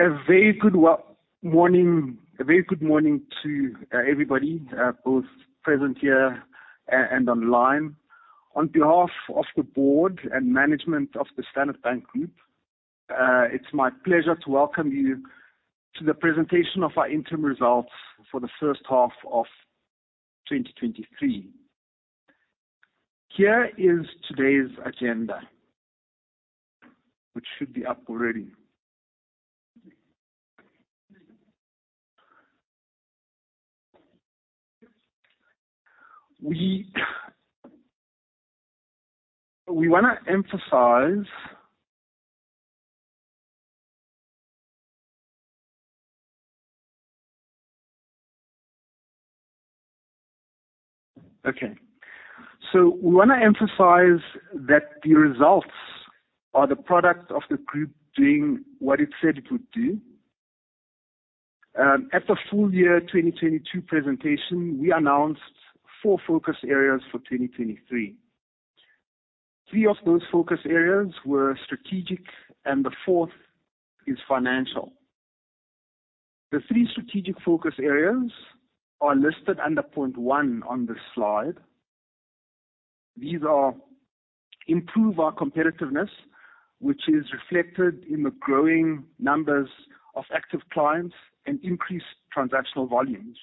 A very good morning, a very good morning to everybody, both present here and online. On behalf of the board and management of the Standard Bank Group, it's my pleasure to welcome you to the presentation of our interim results for the H1 of 2023. Here is today's agenda, which should be up already. We wanna emphasize. Okay. We wanna emphasize that the results are the product of the group doing what it said it would do. At the full year 2022 presentation, we announced four focus areas for 2023. Three of those focus areas were strategic, and the fourth is financial. The three strategic focus areas are listed under point one on this slide. These are: improve our competitiveness, which is reflected in the growing numbers of active clients and increased transactional volumes.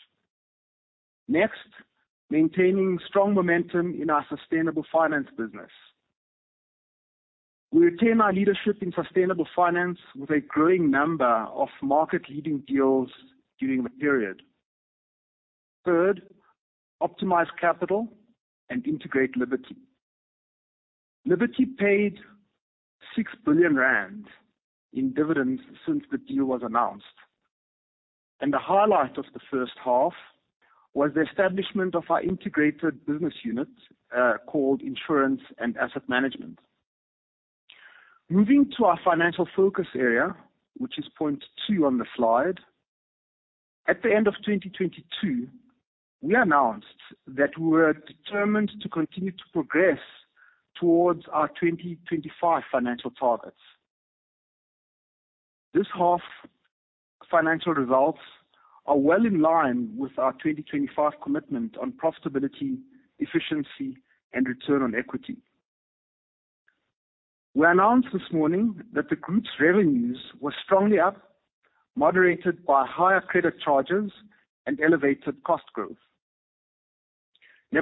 Maintaining strong momentum in our sustainable finance business. We retain our leadership in sustainable finance with a growing number of market-leading deals during the period. Third, optimize capital and integrate Liberty. Liberty paid 6 billion rand in dividends since the deal was announced, and the highlight of the H1 was the establishment of our integrated business unit, called Insurance and Asset Management. Moving to our financial focus area, which is point 2 on the slide. At the end of 2022, we announced that we were determined to continue to progress towards our 2025 financial targets. This half financial results are well in line with our 2025 commitment on profitability, efficiency, and return on equity. We announced this morning that the group's revenues were strongly up, moderated by higher credit charges and elevated cost growth. We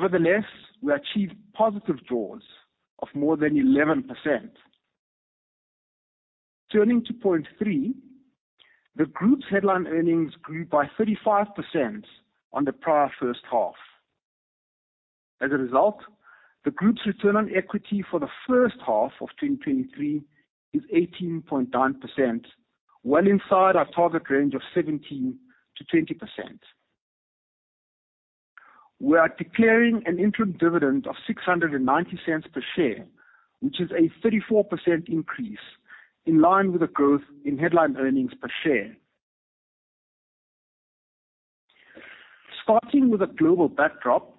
achieved positive jaws of more than 11%. Turning to .3, the group's headline earnings grew by 35% on the prior H1. As a result, the group's return on equity for the H1 of 2023 is 18.9%, well inside our target range of 17%-20%. We are declaring an interim dividend of 6.90 per share, which is a 34% increase in line with the growth in headline earnings per share. Starting with the global backdrop,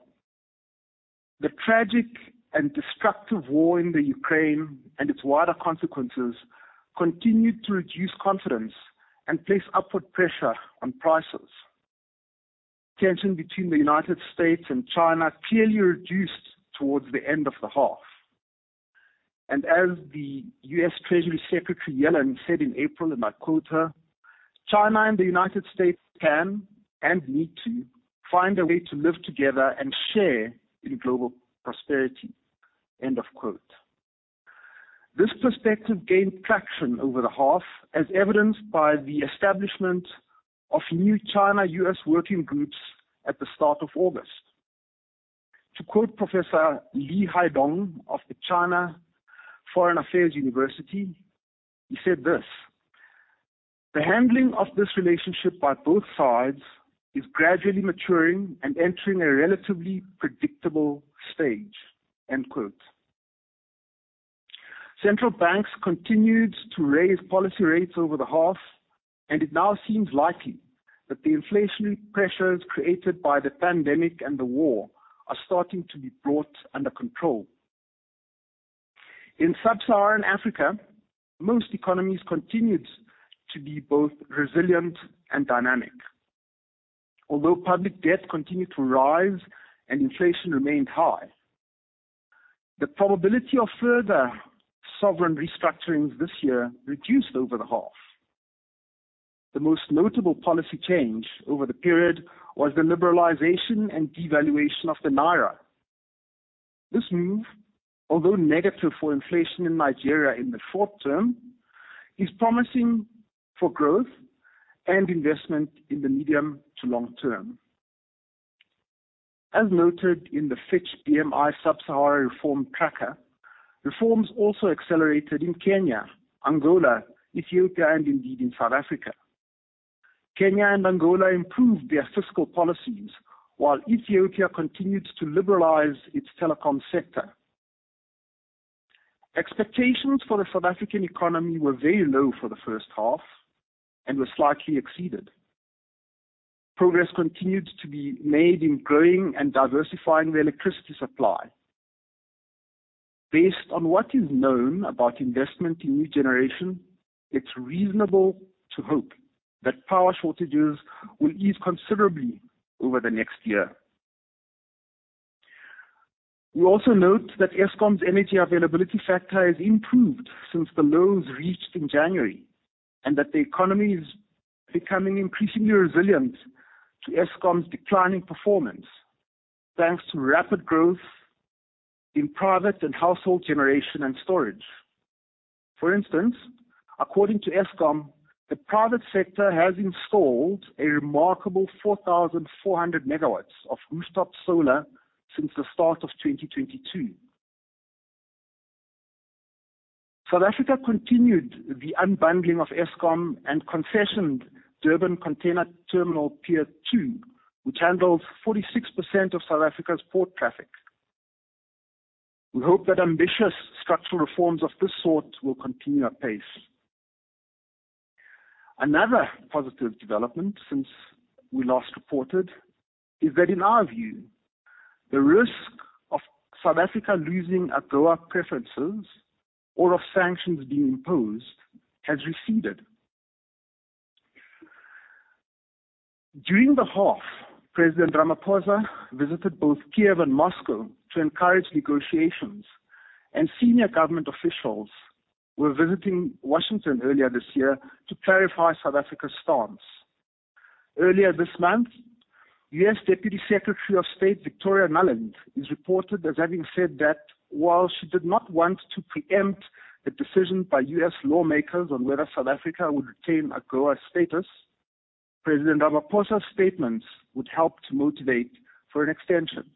the tragic and destructive war in the Ukraine and its wider consequences continued to reduce confidence and place upward pressure on prices. Tension between the United States and China clearly reduced towards the end of the half. As US Treasury Secretary Yellen said in April, and I quote her: "China and the United States can, and need to, find a way to live together and share in global prosperity." End of quote. This perspective gained traction over the half, as evidenced by the establishment of new China-U.S. working groups at the start of August. To quote Professor Li Haidong of the China Foreign Affairs University, he said this: "The handling of this relationship by both sides is gradually maturing and entering a relatively predictable stage." End quote. Central banks continued to raise policy rates over the half. It now seems likely that the inflationary pressures created by the pandemic and the war are starting to be brought under control. In sub-Saharan Africa, most economies continued to be both resilient and dynamic. Although public debt continued to rise and inflation remained high, the probability of further sovereign restructurings this year reduced over the half. The most notable policy change over the period was the liberalization and devaluation of the naira. This move, although negative for inflation in Nigeria in the short term, is promising for growth and investment in the medium to long term. As noted in the Fitch BMI Sub-Sahara Reform Tracker, reforms also accelerated in Kenya, Angola, Ethiopia, and indeed in South Africa. Kenya and Angola improved their fiscal policies, while Ethiopia continued to liberalize its telecom sector. Expectations for the South African economy were very low for the H1 and were slightly exceeded. Progress continued to be made in growing and diversifying the electricity supply. Based on what is known about investment in new generation, it's reasonable to hope that power shortages will ease considerably over the next year. We also note that Eskom's energy availability factor has improved since the lows reached in January, and that the economy is becoming increasingly resilient to Eskom's declining performance, thanks to rapid growth in private and household generation and storage. For instance, according to Eskom, the private sector has installed a remarkable 4,400 megawatts of rooftop solar since the start of 2022. South Africa continued the unbundling of Eskom and concessioned Durban Container Terminal Pier two, which handles 46% of South Africa's port traffic. We hope that ambitious structural reforms of this sort will continue apace. Another positive development since we last reported, is that, in our view, the risk of South Africa losing AGOA preferences or of sanctions being imposed has receded. During the half, President Ramaphosa visited both Kiev and Moscow to encourage negotiations, and senior government officials were visiting Washington earlier this year to clarify South Africa's stance. Earlier this month, U.S. Deputy Secretary of State, Victoria Nuland, is reported as having said that, while she did not want to preempt the decision by U.S. lawmakers on whether South Africa would retain AGOA status, President Ramaphosa's statements would help to motivate for an extension.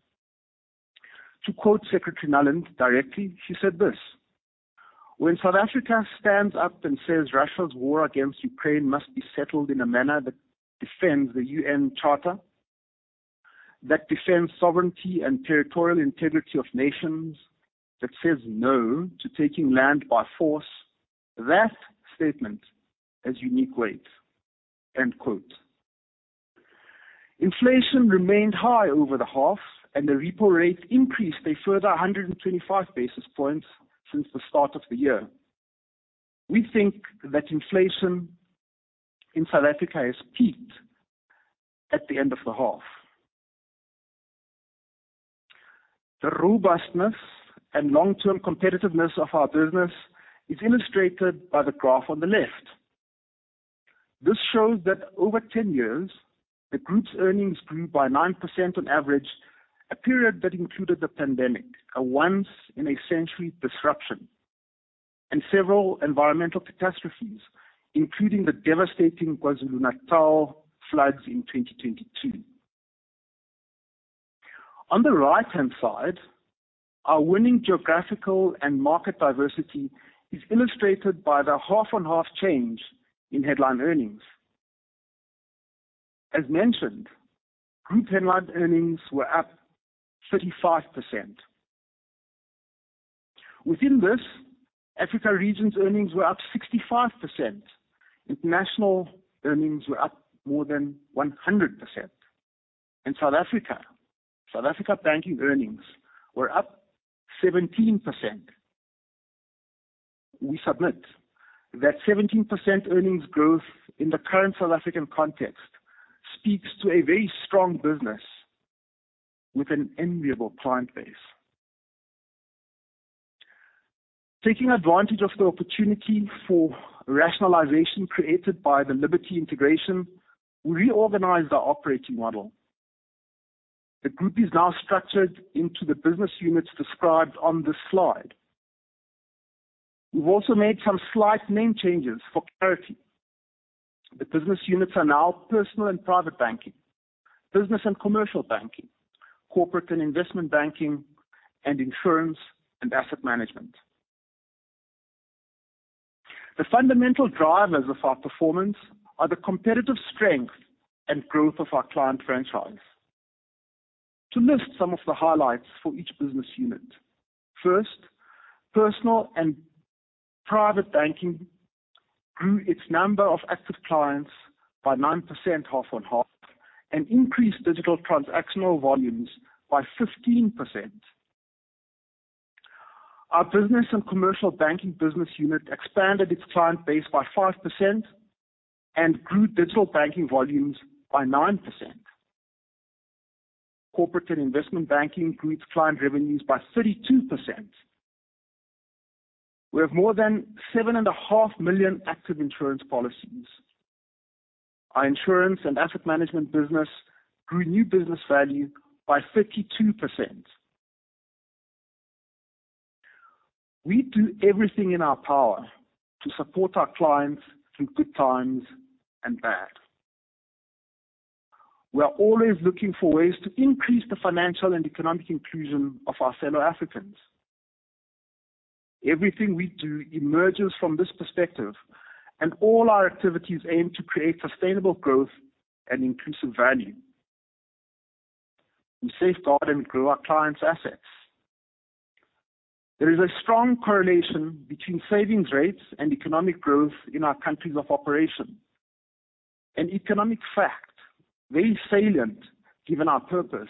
To quote Secretary Nuland directly, she said this: "When South Africa stands up and says Russia's war against Ukraine must be settled in a manner that defends the UN Charter, that defends sovereignty and territorial integrity of nations, that says no to taking land by force, that statement is unique weight." End quote. Inflation remained high over the half, and the repo rate increased a further 125 basis points since the start of the year. We think that inflation in South Africa has peaked at the end of the half. The robustness and long-term competitiveness of our business is illustrated by the graph on the left. This shows that over 10 years, the group's earnings grew by 9% on average, a period that included the pandemic, a once-in-a-century disruption, and several environmental catastrophes, including the devastating KwaZulu-Natal floods in 2022. On the right-hand side, our winning geographical and market diversity is illustrated by the half-on-half change in headline earnings. As mentioned, group headline earnings were up 35%. Within this, Africa Regions' earnings were up 65%. International earnings were up more than 100%. In South Africa, South Africa banking earnings were up 17%. We submit that 17% earnings growth in the current South African context speaks to a very strong business with an enviable client base. Taking advantage of the opportunity for rationalization created by the Liberty integration, we reorganized our operating model. The group is now structured into the business units described on this slide. We've also made some slight name changes for clarity. The business units are now Personal and Private Banking, Business and Commercial Banking, Corporate and Investment Banking, and Insurance and Asset Management. The fundamental drivers of our performance are the competitive strength and growth of our client franchise. To list some of the highlights for each business unit: First, Personal and Private Banking grew its number of active clients by 9%, half on half, and increased digital transactional volumes by 15%. Our Business and Commercial Banking business unit expanded its client base by 5% and grew digital banking volumes by 9%. Corporate and Investment Banking grew its client revenues by 32%. We have more than 7.5 million active insurance policies. Our Insurance and Asset Management business grew new business value by 52%. We do everything in our power to support our clients through good times and bad. We are always looking for ways to increase the financial and economic inclusion of our fellow Africans. Everything we do emerges from this perspective, and all our activities aim to create sustainable growth and inclusive value. We safeguard and grow our clients' assets. There is a strong correlation between savings rates and economic growth in our countries of operation. An economic fact, very salient, given our purpose: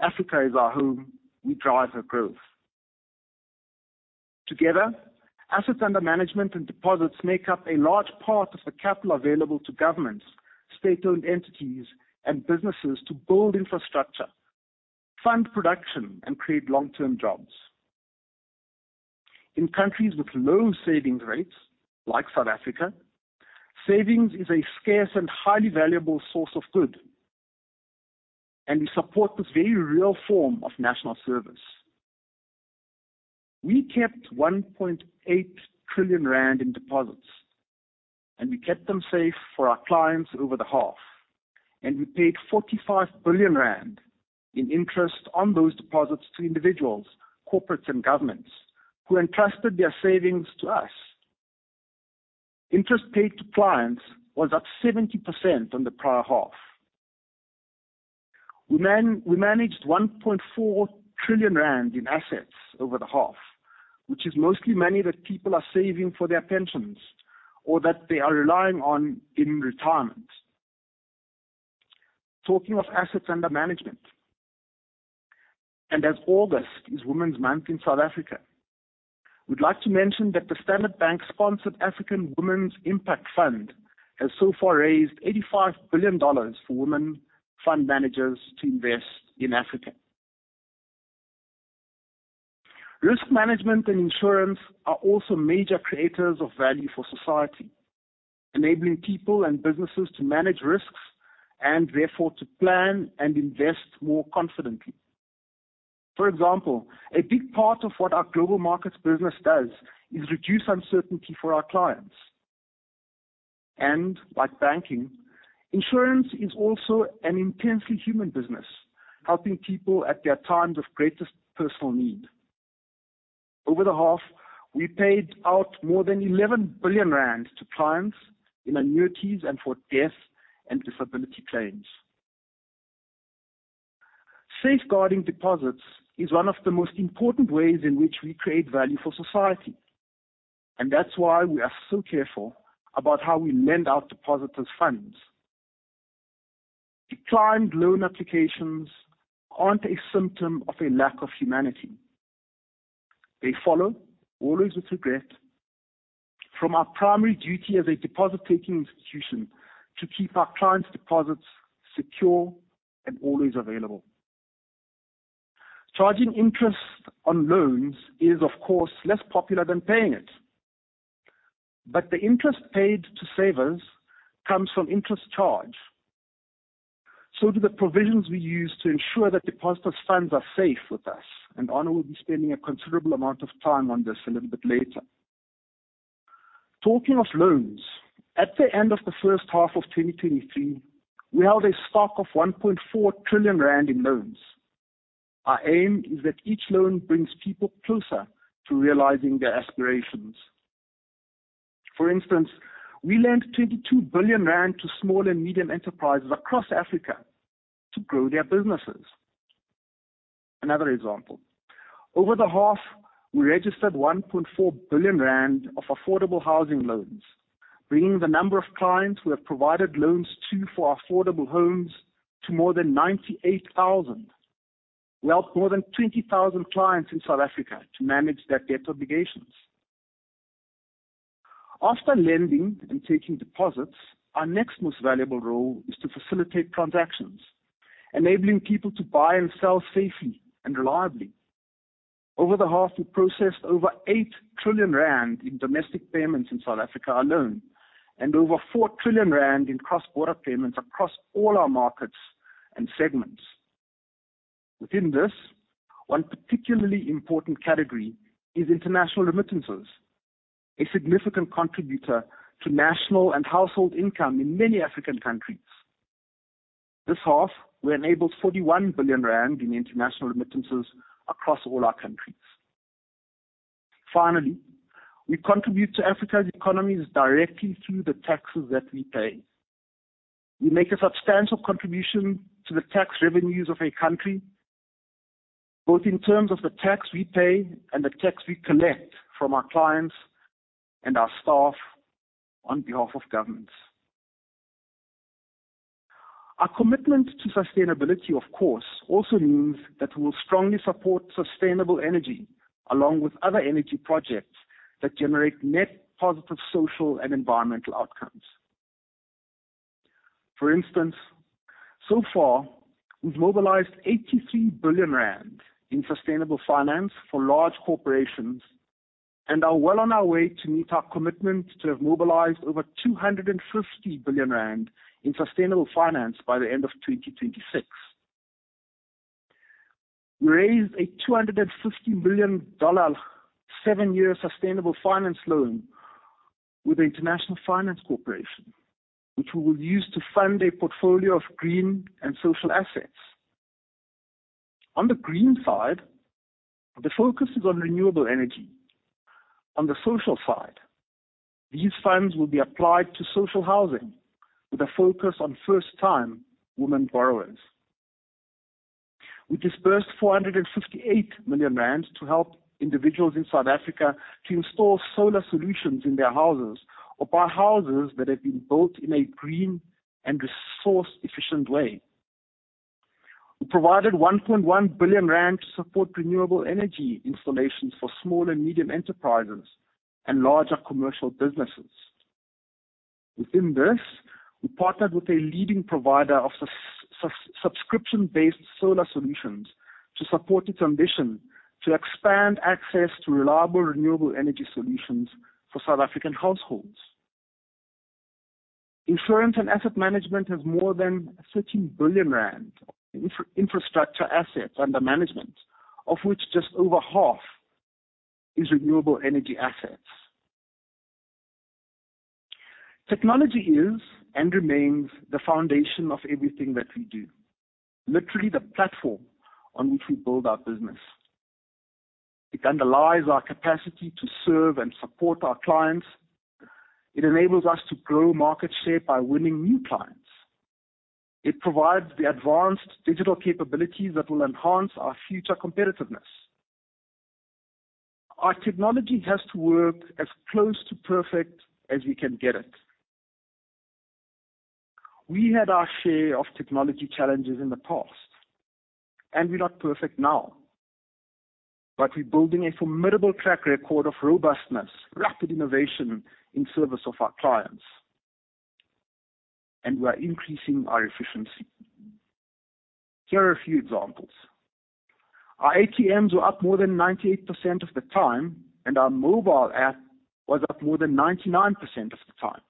Africa is our home, we drive her growth. Together, assets under management and deposits make up a large part of the capital available to governments, state-owned entities, and businesses to build infrastructure, fund production, and create long-term jobs. In countries with low savings rates, like South Africa, savings is a scarce and highly valuable source of good, and we support this very real form of national service. We kept 1.8 trillion rand in deposits, and we kept them safe for our clients over the half, and we paid 45 billion rand in interest on those deposits to individuals, corporates, and governments who entrusted their savings to us. Interest paid to clients was up 70% on the prior half. We managed 1.4 trillion rand in assets over the half, which is mostly money that people are saving for their pensions or that they are relying on in retirement. Talking of assets under management, and as August is Women's Month in South Africa, we'd like to mention that the Standard Bank-sponsored African Women's Impact Fund has so far raised $85 billion for women fund managers to invest in Africa. Risk management and insurance are also major creators of value for society, enabling people and businesses to manage risks and therefore to plan and invest more confidently. For example, a big part of what our global markets business does is reduce uncertainty for our clients. Like banking, insurance is also an intensely human business, helping people at their times of greatest personal need. Over the half, we paid out more than 11 billion rand to clients in annuities and for death and disability claims. Safeguarding deposits is one of the most important ways in which we create value for society. That's why we are so careful about how we lend out depositors' funds. Declined loan applications aren't a symptom of a lack of humanity. They follow, always with regret, from our primary duty as a deposit-taking institution to keep our clients' deposits secure and always available. Charging interest on loans is, of course, less popular than paying it, but the interest paid to savers comes from interest charged. Do the provisions we use to ensure that depositors' funds are safe with us, and Arno will be spending a considerable amount of time on this a little bit later. Talking of loans, at the end of the H1 of 2023, we held a stock of 1.4 trillion rand in loans. Our aim is that each loan brings people closer to realizing their aspirations. For instance, we lent 22 billion rand to small and medium enterprises across Africa to grow their businesses. Another example, over the half, we registered 1.4 billion rand of affordable housing loans, bringing the number of clients we have provided loans to for affordable homes to more than 98,000. We helped more than 20,000 clients in South Africa to manage their debt obligations. After lending and taking deposits, our next most valuable role is to facilitate transactions, enabling people to buy and sell safely and reliably. Over the half, we processed over 8 trillion rand in domestic payments in South Africa alone, and over 4 trillion rand in cross-border payments across all our markets and segments. Within this, one particularly important category is international remittances, a significant contributor to national and household income in many African countries. This half, we enabled 41 billion rand in international remittances across all our countries. Finally, we contribute to Africa's economies directly through the taxes that we pay. We make a substantial contribution to the tax revenues of a country, both in terms of the tax we pay and the tax we collect from our clients and our staff on behalf of governments. Our commitment to sustainability, of course, also means that we will strongly support sustainable energy, along with other energy projects that generate net positive social and environmental outcomes. For instance, so far, we've mobilized 83 billion rand in sustainable finance for large corporations and are well on our way to meet our commitment to have mobilized over 250 billion rand in sustainable finance by the end of 2026. We raised a $250 billion 7-year sustainable finance loan with the International Finance Corporation, which we will use to fund a portfolio of green and social assets. On the green side, the focus is on renewable energy. On the social side, these funds will be applied to social housing, with a focus on first-time women borrowers. We disbursed 458 million rand to help individuals in South Africa to install solar solutions in their houses or buy houses that have been built in a green and resource-efficient way. We provided 1.1 billion rand to support renewable energy installations for small and medium enterprises and larger commercial businesses. Within this, we partnered with a leading provider of subscription-based solar solutions to support its ambition to expand access to reliable, renewable energy solutions for South African households. Insurance and Asset Management has more than 13 billion rand in infrastructure assets under management, of which just over half is renewable energy assets. Technology is and remains the foundation of everything that we do, literally the platform on which we build our business. It underlies our capacity to serve and support our clients. It enables us to grow market share by winning new clients. It provides the advanced digital capabilities that will enhance our future competitiveness. Our technology has to work as close to perfect as we can get it. We had our share of technology challenges in the past, and we're not perfect now, but we're building a formidable track record of robustness, rapid innovation in service of our clients, and we are increasing our efficiency. Here are a few examples. Our ATMs were up more than 98% of the time, and our mobile app was up more than 99% of the time.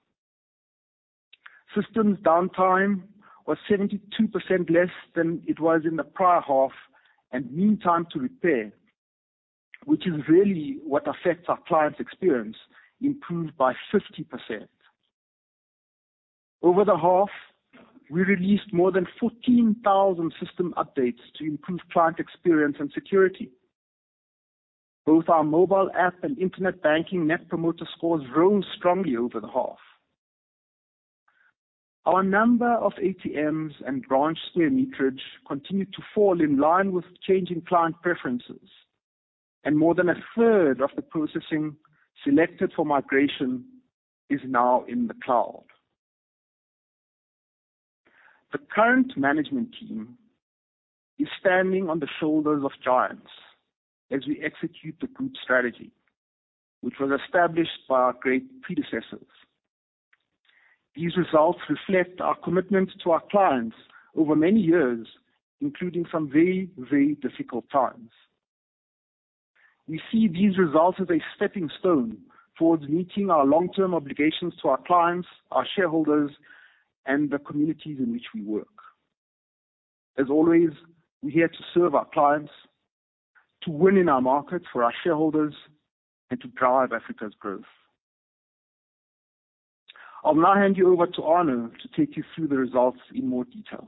Systems downtime was 72% less than it was in the prior half, and meantime to repair, which is really what affects our clients' experience, improved by 50%. Over the half, we released more than 14,000 system updates to improve client experience and security. Both our mobile app and internet banking Net Promoter scores rose strongly over the half. Our number of ATMs and branch square meterage continued to fall in line with changing client preferences, and more than a third of the processing selected for migration is now in the cloud. The current management team is standing on the shoulders of giants as we execute the group strategy, which was established by our great predecessors. These results reflect our commitment to our clients over many years, including some very, very difficult times. We see these results as a stepping stone towards meeting our long-term obligations to our clients, our shareholders, and the communities in which we work. As always, we're here to serve our clients, to win in our markets for our shareholders, and to drive Africa's growth. I'll now hand you over to Arno to take you through the results in more detail.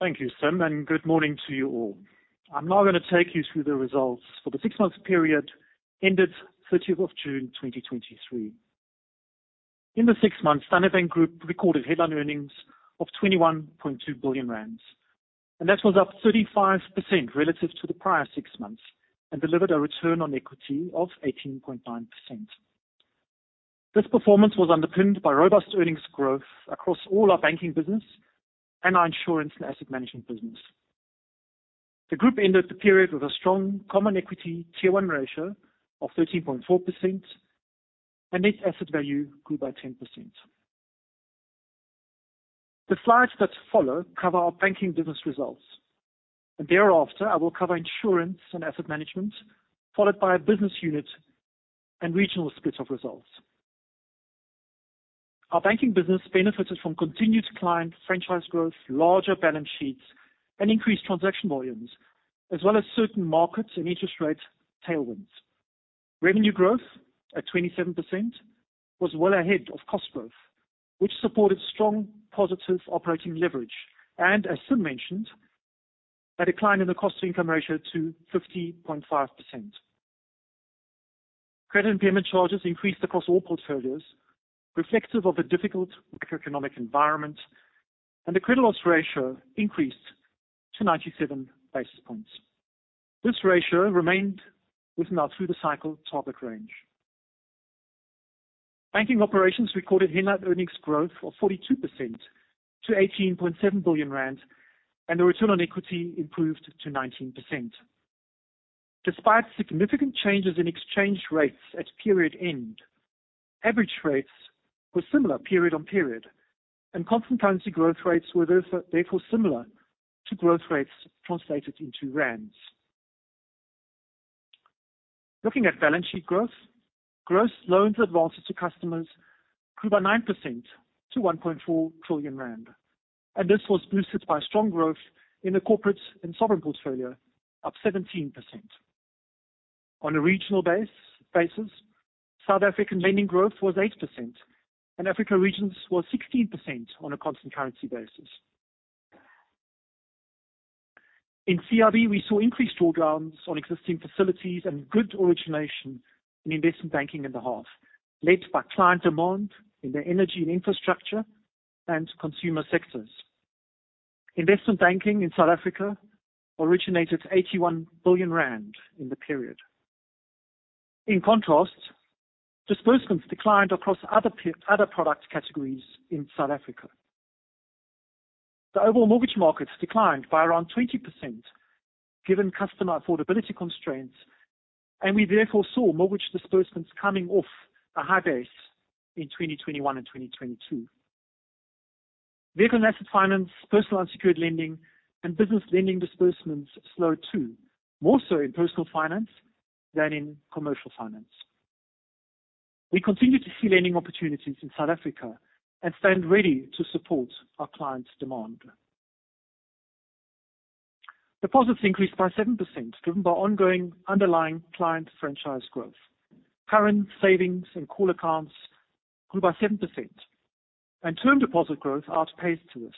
Thank you, Sim, and good morning to you all. I'm now going to take you through the results for the six months period ended 30th of June, 2023. In the six months, Standard Bank Group recorded headline earnings of 21.2 billion rand, and that was up 35% relative to the prior six months and delivered a return on equity of 18.9%. This performance was underpinned by robust earnings growth across all our banking business and our Insurance and Asset Management business. The group ended the period with a strong Common Equity Tier 1 ratio of 13.4%, and net asset value grew by 10%. The slides that follow cover our banking business results, and thereafter, I will cover Insurance and Asset Management, followed by a business unit and regional splits of results. Our banking business benefited from continued client franchise growth, larger balance sheets, and increased transaction volumes, as well as certain markets and interest rate tailwinds. Revenue growth, at 27%, was well ahead of cost growth, which supported strong positive operating leverage, and as Sim mentioned, a decline in the cost-to-income ratio to 50.5%. Credit impairment charges increased across all portfolios, reflective of a difficult macroeconomic environment, and the credit loss ratio increased to 97 basis points. This ratio remained within our through-the-cycle target range. Banking operations recorded headline earnings growth of 42% to 18.7 billion rand, and the return on equity improved to 19%. Despite significant changes in exchange rates at period end, average rates were similar period on period, and constant currency growth rates were therefore similar to growth rates translated into rands. Looking at balance sheet growth, gross loans advances to customers grew by 9% to 1.4 trillion rand, and this was boosted by strong growth in the corporate and sovereign portfolio, up 17%. On a regional basis, South African lending growth was 8%, and Africa Regions was 16% on a constant currency basis. In CIB, we saw increased drawdowns on existing facilities and good origination in investment banking in the half, led by client demand in the energy and infrastructure and consumer sectors. Investment banking in South Africa originated 81 billion rand in the period. In contrast, disbursements declined across other product categories in South Africa. The overall mortgage market declined by around 20%, given customer affordability constraints, and we therefore saw mortgage disbursements coming off a high base in 2021 and 2022. Vehicle asset finance, personal unsecured lending, and business lending disbursements slowed, too. More so in personal finance than in commercial finance. We continue to see lending opportunities in South Africa and stand ready to support our clients' demand. Deposits increased by 7%, driven by ongoing underlying client franchise growth. Current savings and call accounts grew by 7%, and term deposit growth outpaced to this.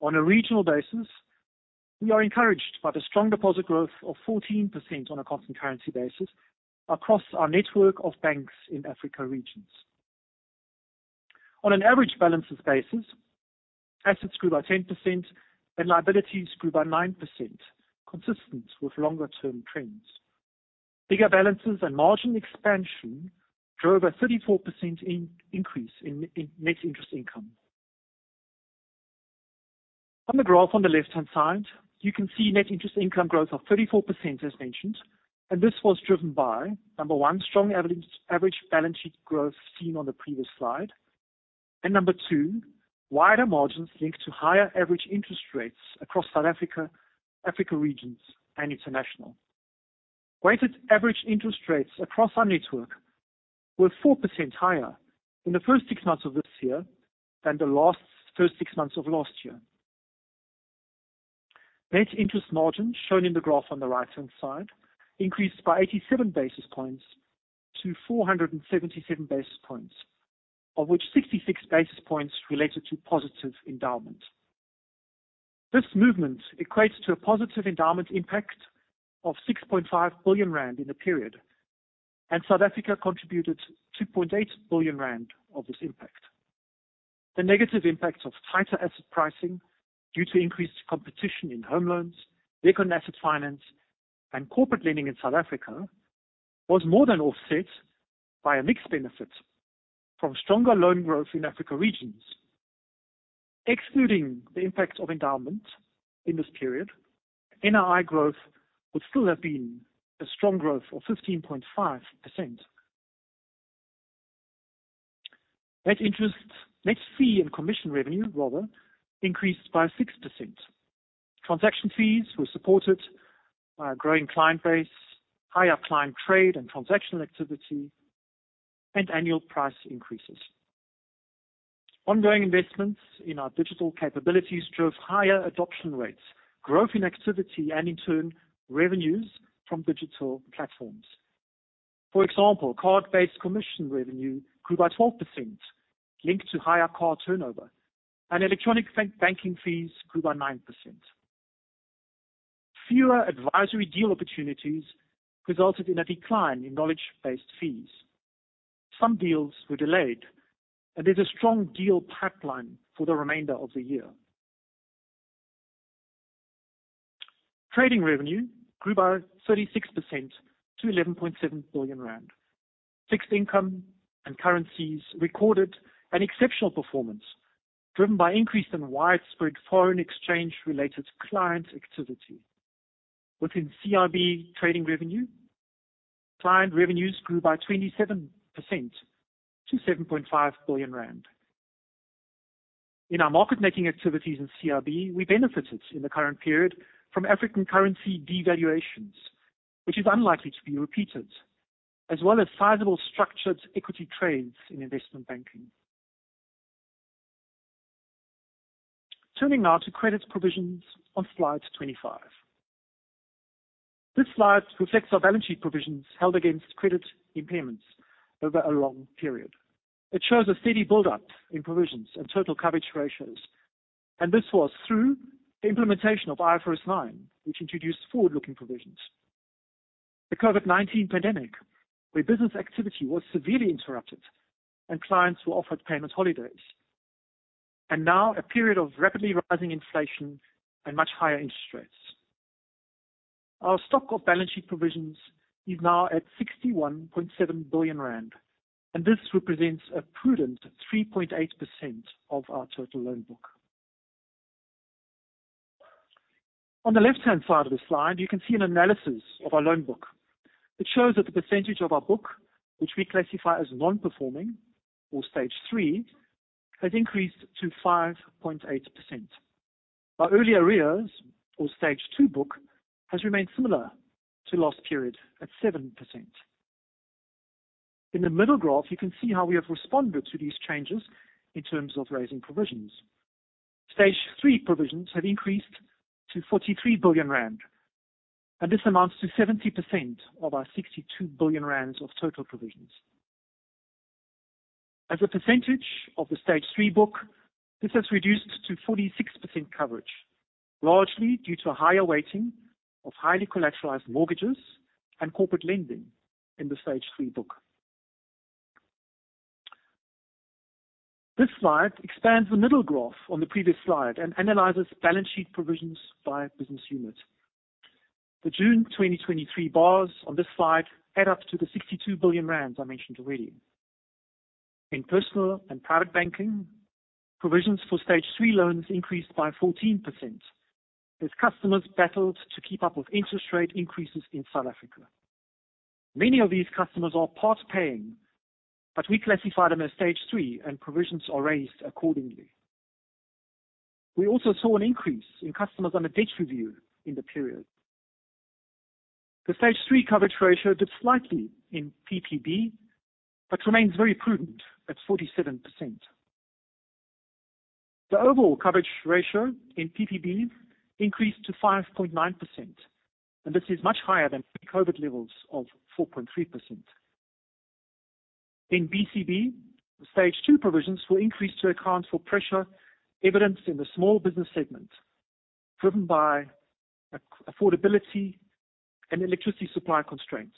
On a regional basis, we are encouraged by the strong deposit growth of 14% on a constant currency basis across our network of banks in Africa Regions. On an average balances basis, assets grew by 10% and liabilities grew by 9%, consistent with longer-term trends. Bigger balances and margin expansion drove a 34% increase in net interest income. On the graph on the left-hand side, you can see net interest income growth of 34%, as mentioned, this was driven by, number one, strong average, average balance sheet growth seen on the previous slide. Number two, wider margins linked to higher average interest rates across South Africa, Africa Regions, and international. Weighted average interest rates across our network were 4% higher in the first 6 months of this year than the last first 6 months of last year. Net Interest Margin, shown in the graph on the right-hand side, increased by 87 basis points to 477 basis points, of which 66 basis points related to positive endowment. This movement equates to a positive endowment impact of 6.5 billion rand in the period, and South Africa contributed 2.8 billion rand of this impact. The negative impact of tighter asset pricing due to increased competition in home loans, vehicle asset finance, and corporate lending in South Africa, was more than offset by a mixed benefit from stronger loan growth in Africa Regions. Excluding the impact of endowment in this period, NII growth would still have been a strong growth of 15.5%. Net interest- net fee and commission revenue, rather, increased by 6%. Transaction fees were supported by a growing client base, higher client trade and transactional activity, and annual price increases. Ongoing investments in our digital capabilities drove higher adoption rates, growth in activity, and in turn, revenues from digital platforms. For example, card-based commission revenue grew by 12%, linked to higher card turnover, and electronic bank- banking fees grew by 9%. Fewer advisory deal opportunities resulted in a decline in knowledge-based fees. Some deals were delayed, and there's a strong deal pipeline for the remainder of the year. Trading revenue grew by 36% to 11.7 billion rand. Fixed income and currencies recorded an exceptional performance, driven by increase in widespread foreign exchange-related client activity. Within CIB trading revenue, client revenues grew by 27% to 7.5 billion rand. In our market making activities in CIB, we benefited in the current period from African currency devaluations, which is unlikely to be repeated, as well as sizable structured equity trades in investment banking. Turning now to credit provisions on slide 25. This slide reflects our balance sheet provisions held against credit impairments over a long period. It shows a steady buildup in provisions and total coverage ratios, and this was through the implementation of IFRS 9, which introduced forward-looking provisions. The COVID-19 pandemic, where business activity was severely interrupted and clients were offered payment holidays, and now a period of rapidly rising inflation and much higher interest rates. Our stock of balance sheet provisions is now at 61.7 billion rand, and this represents a prudent 3.8% of our total loan book. On the left-hand side of the slide, you can see an analysis of our loan book. It shows that the percentage of our book, which we classify as non-performing, or Stage 3, has increased to 5.8%. Our early arrears, or Stage 2 book, has remained similar to last period at 7%. In the middle graph, you can see how we have responded to these changes in terms of raising provisions. Stage 3 provisions have increased to 43 billion rand. This amounts to 70% of our 62 billion rand of total provisions. As a percentage of the Stage 3 book, this has reduced to 46% coverage, largely due to a higher weighting of highly collateralized mortgages and corporate lending in the Stage 3 book. This slide expands the middle graph on the previous slide and analyzes balance sheet provisions by business unit. The June 2023 bars on this slide add up to the 62 billion rand I mentioned already. In Personal and Private Banking, provisions for Stage 3 loans increased by 14%, as customers battled to keep up with interest rate increases in South Africa. Many of these customers are part-paying. We classify them as Stage 3, and provisions are raised accordingly. We also saw an increase in customers on a debt review in the period. The Stage 3 coverage ratio dipped slightly in PBB, but remains very prudent at 47%. The overall coverage ratio in PBB increased to 5.9%, and this is much higher than pre-COVID levels of 4.3%. In BCB, Stage 2 provisions will increase to account for pressure evidenced in the small business segment, driven by affordability and electricity supply constraints.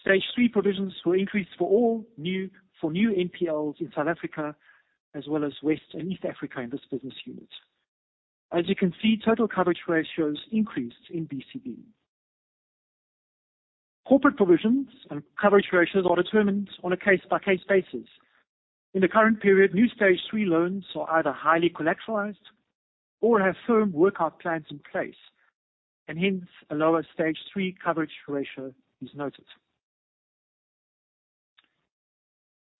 Stage 3 provisions will increase for new NPLs in South Africa, as well as West and East Africa in this business unit. As you can see, total coverage ratios increased in BCB. Corporate provisions and coverage ratios are determined on a case-by-case basis. In the current period, new Stage 3 loans are either highly collateralized or have firm workout plans in place, and hence a lower Stage 3 coverage ratio is noted.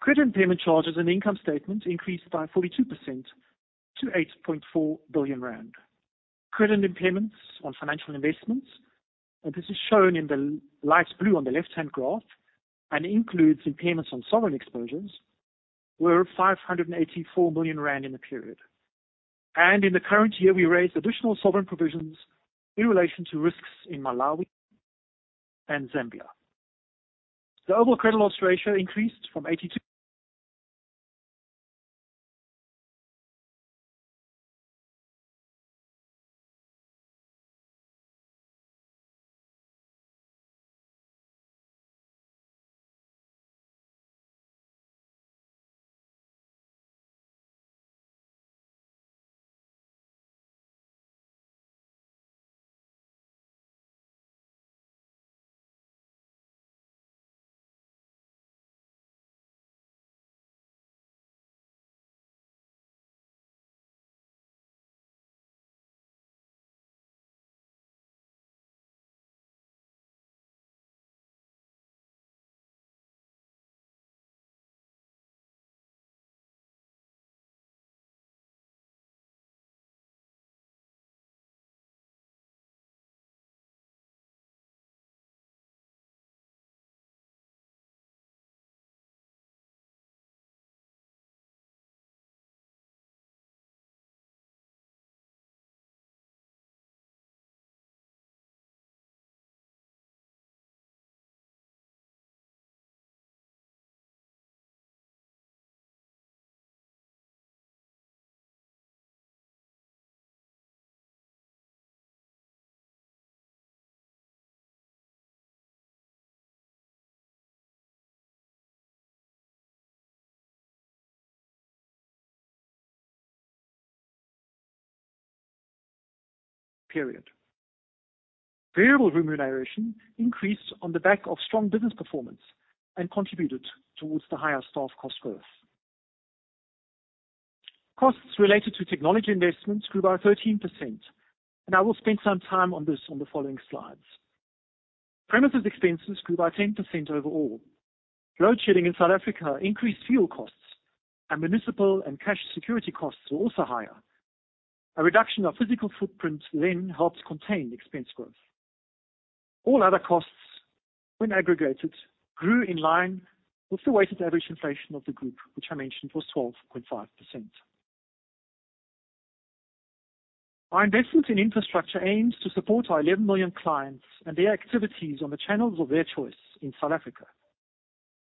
Credit impairment charges income statement increased by 42% to 8.4 billion rand. Credit impairments on financial investments, and this is shown in the light blue on the left-hand graph and includes impairments on sovereign exposures, were 584 million rand in the period. In the current year, we raised additional sovereign provisions in relation to risks in Malawi and Zambia. The overall credit loss ratio increased from 82 Period. Variable remuneration increased on the back of strong business performance and contributed towards the higher staff cost growth. Costs related to technology investments grew by 13%. I will spend some time on this on the following slides. Premises expenses grew by 10% overall. Load shedding in South Africa increased fuel costs. Municipal and cash security costs were also higher. A reduction of physical footprint helped contain expense growth. All other costs, when aggregated, grew in line with the weighted average inflation of the group, which I mentioned was 12.5%. Our investment in infrastructure aims to support our 11 million clients and their activities on the channels of their choice in South Africa.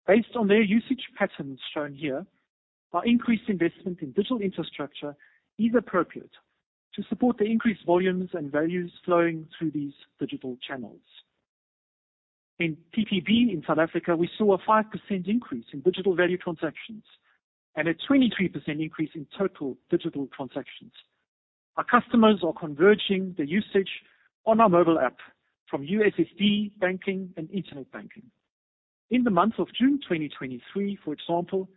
Based on their usage patterns shown here, our increased investment in digital infrastructure is appropriate to support the increased volumes and values flowing through these digital channels. In PBB in South Africa, we saw a 5% increase in digital value transactions and a 23% increase in total digital transactions. Our customers are converging their usage on our mobile app from USSD banking and internet banking. In the month of June 2023, for example,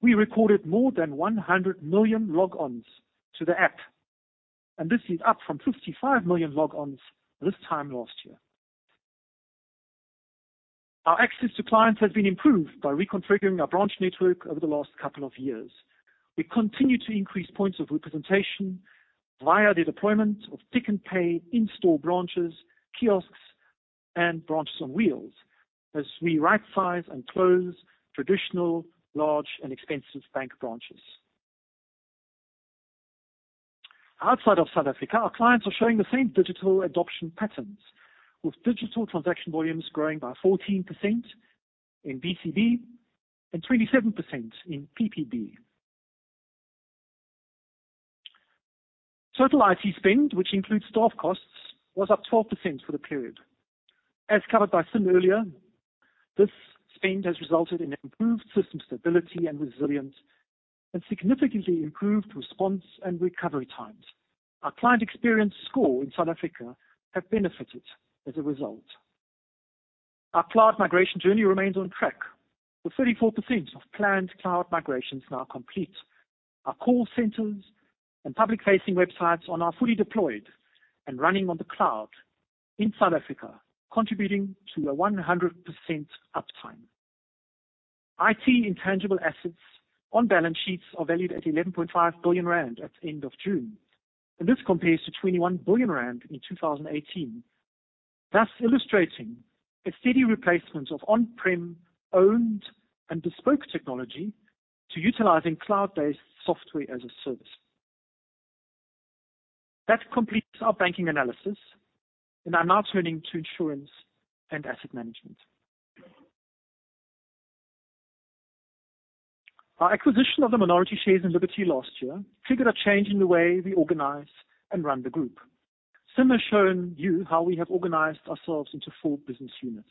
we recorded more than 100 million logons to the app, and this is up from 55 million logons this time last year. Our access to clients has been improved by reconfiguring our branch network over the last couple of years. We continue to increase points of representation via the deployment of Pick n Pay in-store branches, kiosks, and branches on wheels as we rightsize and close traditional, large, and expensive bank branches. Outside of South Africa, our clients are showing the same digital adoption patterns, with digital transaction volumes growing by 14% in BCB and 27% in PBB. Total IT spend, which includes staff costs, was up 12% for the period. As covered by Sim earlier, this spend has resulted in improved system stability and resilience, and significantly improved response and recovery times. Our client experience score in South Africa have benefited as a result. Our cloud migration journey remains on track, with 34% of planned cloud migrations now complete. Our call centers and public-facing websites are now fully deployed and running on the cloud in South Africa, contributing to a 100% uptime. IT intangible assets on balance sheets are valued at 11.5 billion rand at the end of June, this compares to 21 billion rand in 2018, thus illustrating a steady replacement of on-prem, owned, and bespoke technology to utilizing cloud-based software as a service. That completes our banking analysis, I'm now turning to Insurance and Asset Management. Our acquisition of the minority shares in Liberty last year triggered a change in the way we organize and run the group. Sim has shown you how we have organized ourselves into four business units.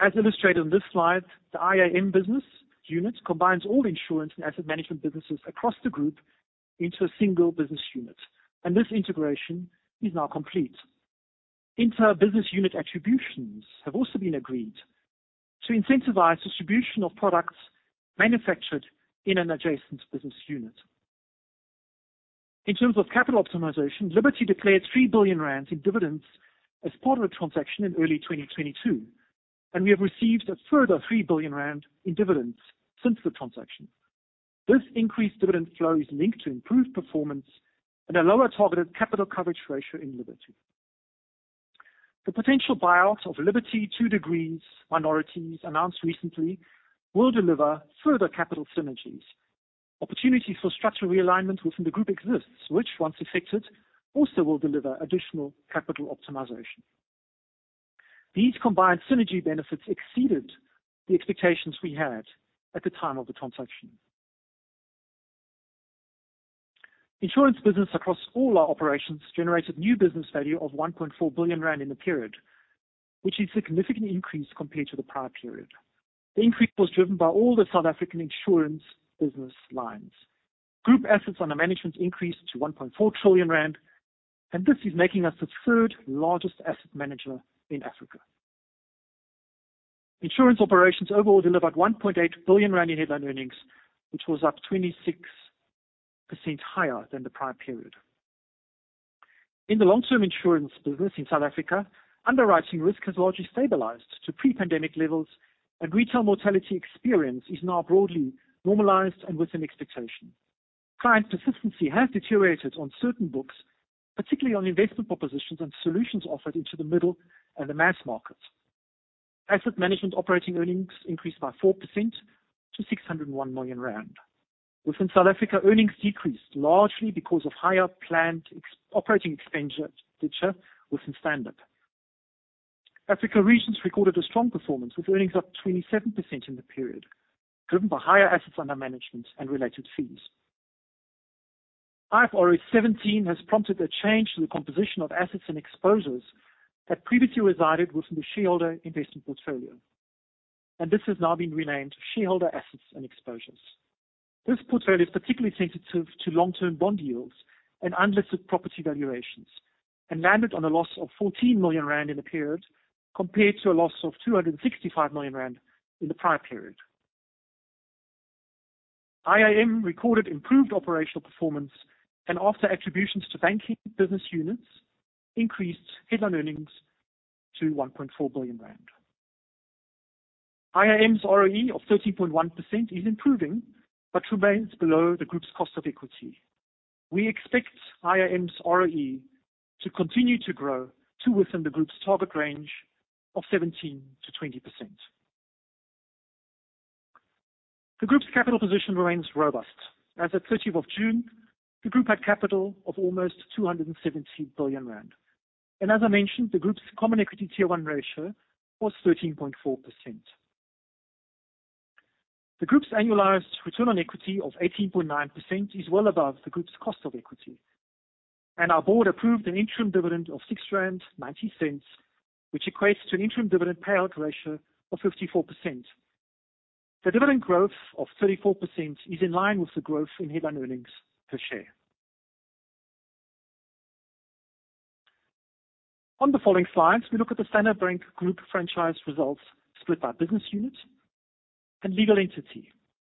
As illustrated on this slide, the IAM Business Unit combines all insurance and asset management businesses across the group into a single business unit, and this integration is now complete. Inter business unit attributions have also been agreed to incentivize distribution of products manufactured in an adjacent business unit. In terms of capital optimization, Liberty declared 3 billion rand in dividends as part of a transaction in early 2022, and we have received a further 3 billion rand in dividends since the transaction. This increased dividend flow is linked to improved performance and a lower targeted capital coverage ratio in Liberty. The potential buyout of Liberty Two Degrees minorities announced recently will deliver further capital synergies. Opportunities for structural realignment within the group exist, which, once effected, also will deliver additional capital optimization. These combined synergy benefits exceeded the expectations we had at the time of the transaction. Insurance business across all our operations generated new business value of 1.4 billion rand in the period, which is a significant increase compared to the prior period. The increase was driven by all the South African insurance business lines. Group assets under management increased to 1.4 trillion rand, This is making us the third largest asset manager in Africa. Insurance operations overall delivered 1.8 billion rand in headline earnings, which was up 26% higher than the prior period. In the long-term insurance business in South Africa, underwriting risk has largely stabilized to pre-pandemic levels, Retail mortality experience is now broadly normalized and within expectation. Client persistency has deteriorated on certain books, particularly on investment propositions and solutions offered into the middle and the mass markets. Asset Management operating earnings increased by 4% to 601 million rand. Within South Africa, earnings decreased largely because of higher planned ex-operating expenditure, within Standard Bank. Africa Regions recorded a strong performance, with earnings up 27% in the period, driven by higher assets under management and related fees. IFRS 17 has prompted a change in the composition of assets and exposures that previously resided within the shareholder investment portfolio, and this has now been renamed Shareholder Assets and Exposures. This portfolio is particularly sensitive to long-term bond yields and unlisted property valuations, and landed on a loss of 14 million rand in the period, compared to a loss of 265 million rand in the prior period. IAM recorded improved operational performance, and after attributions to banking business units, increased headline earnings to 1.4 billion rand. IAM's ROE of 13.1% is improving, but remains below the group's cost of equity. We expect IAM's ROE to continue to grow to within the group's target range of 17%-20%. The group's capital position remains robust. As at 30th of June, the group had capital of almost 270 billion rand. As I mentioned, the group's Common Equity Tier 1 ratio was 13.4%. The group's annualized return on equity of 18.9% is well above the group's cost of equity, and our board approved an interim dividend of 6.90 rand, which equates to an interim dividend payout ratio of 54%. The dividend growth of 34% is in line with the growth in headline earnings per share. On the following slides, we look at the Standard Bank Group franchise results split by business unit and legal entity,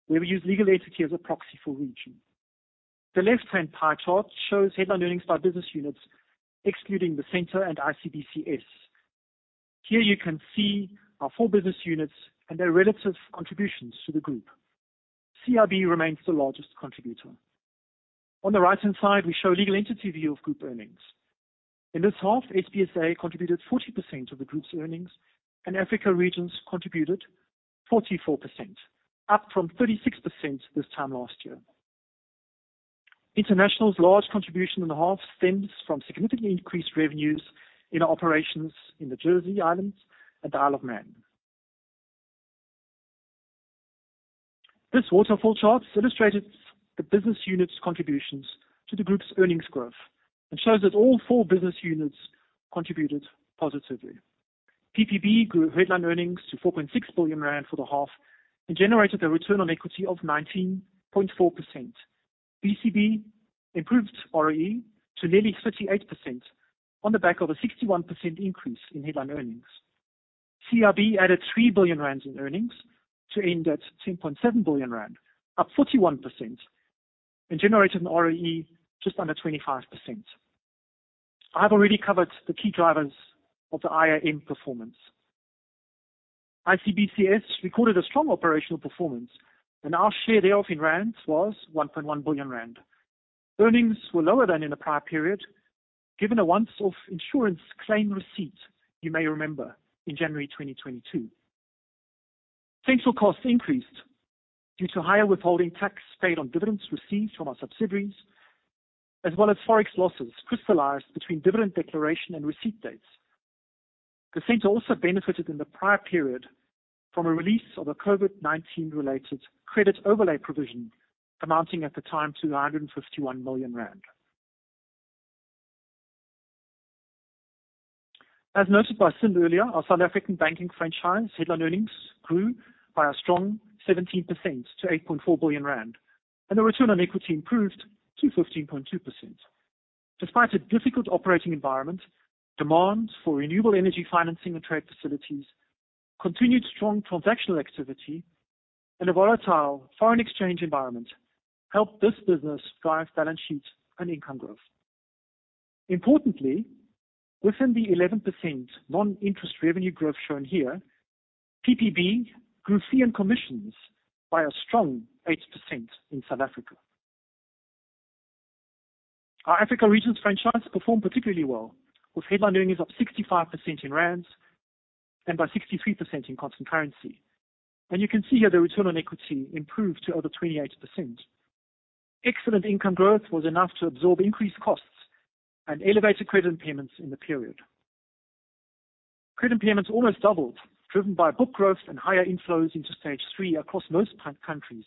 where we use legal entity as a proxy for region. The left-hand pie chart shows headline earnings by business units, excluding the center and ICBCS. Here you can see our four business units and their relative contributions to the group. CIB remains the largest contributor. On the right-hand side, we show a legal entity view of group earnings. In this half, SBSA contributed 40% of the group's earnings, and Africa Regions contributed 44%, up from 36% this time last year. International's large contribution in the half stems from significantly increased revenues in operations in the Jersey islands and the Isle of Man. This waterfall chart illustrates the business units' contributions to the group's earnings growth and shows that all four business units contributed positively. PBB grew headline earnings to 4.6 billion rand for the half and generated a return on equity of 19.4%. BCB improved ROE to nearly 38% on the back of a 61% increase in headline earnings. CRB added 3 billion rand in earnings to end at 10.7 billion rand, up 41%, and generated an ROE just under 25%. I've already covered the key drivers of the NIM performance. ICBCS recorded a strong operational performance, and our share thereof in rands was 1.1 billion rand. Earnings were lower than in the prior period, given a once-off insurance claim receipt, you may remember, in January 2022. Central costs increased due to higher withholding tax paid on dividends received from our subsidiaries, as well as Forex losses crystallized between dividend declaration and receipt dates. The center also benefited in the prior period from a release of a COVID-19 related credit overlay provision, amounting at the time to 151 million rand. As noted by Sim earlier, our South African banking franchise headline earnings grew by a strong 17% to R 8.4 billion, and the return on equity improved to 15.2%. Despite a difficult operating environment, demand for renewable energy financing and trade facilities, continued strong transactional activity, and a volatile foreign exchange environment helped this business drive balance sheet and income growth. Importantly, within the 11% non-interest revenue growth shown here, PBB grew fee and commissions by a strong 8% in South Africa. Our Africa Regions franchise performed particularly well, with headline earnings up 65% in rands and by 63% in constant currency. You can see here the return on equity improved to over 28%. Excellent income growth was enough to absorb increased costs and elevated credit payments in the period. Credit payments almost doubled, driven by book growth and higher inflows into Stage 3 across most countries,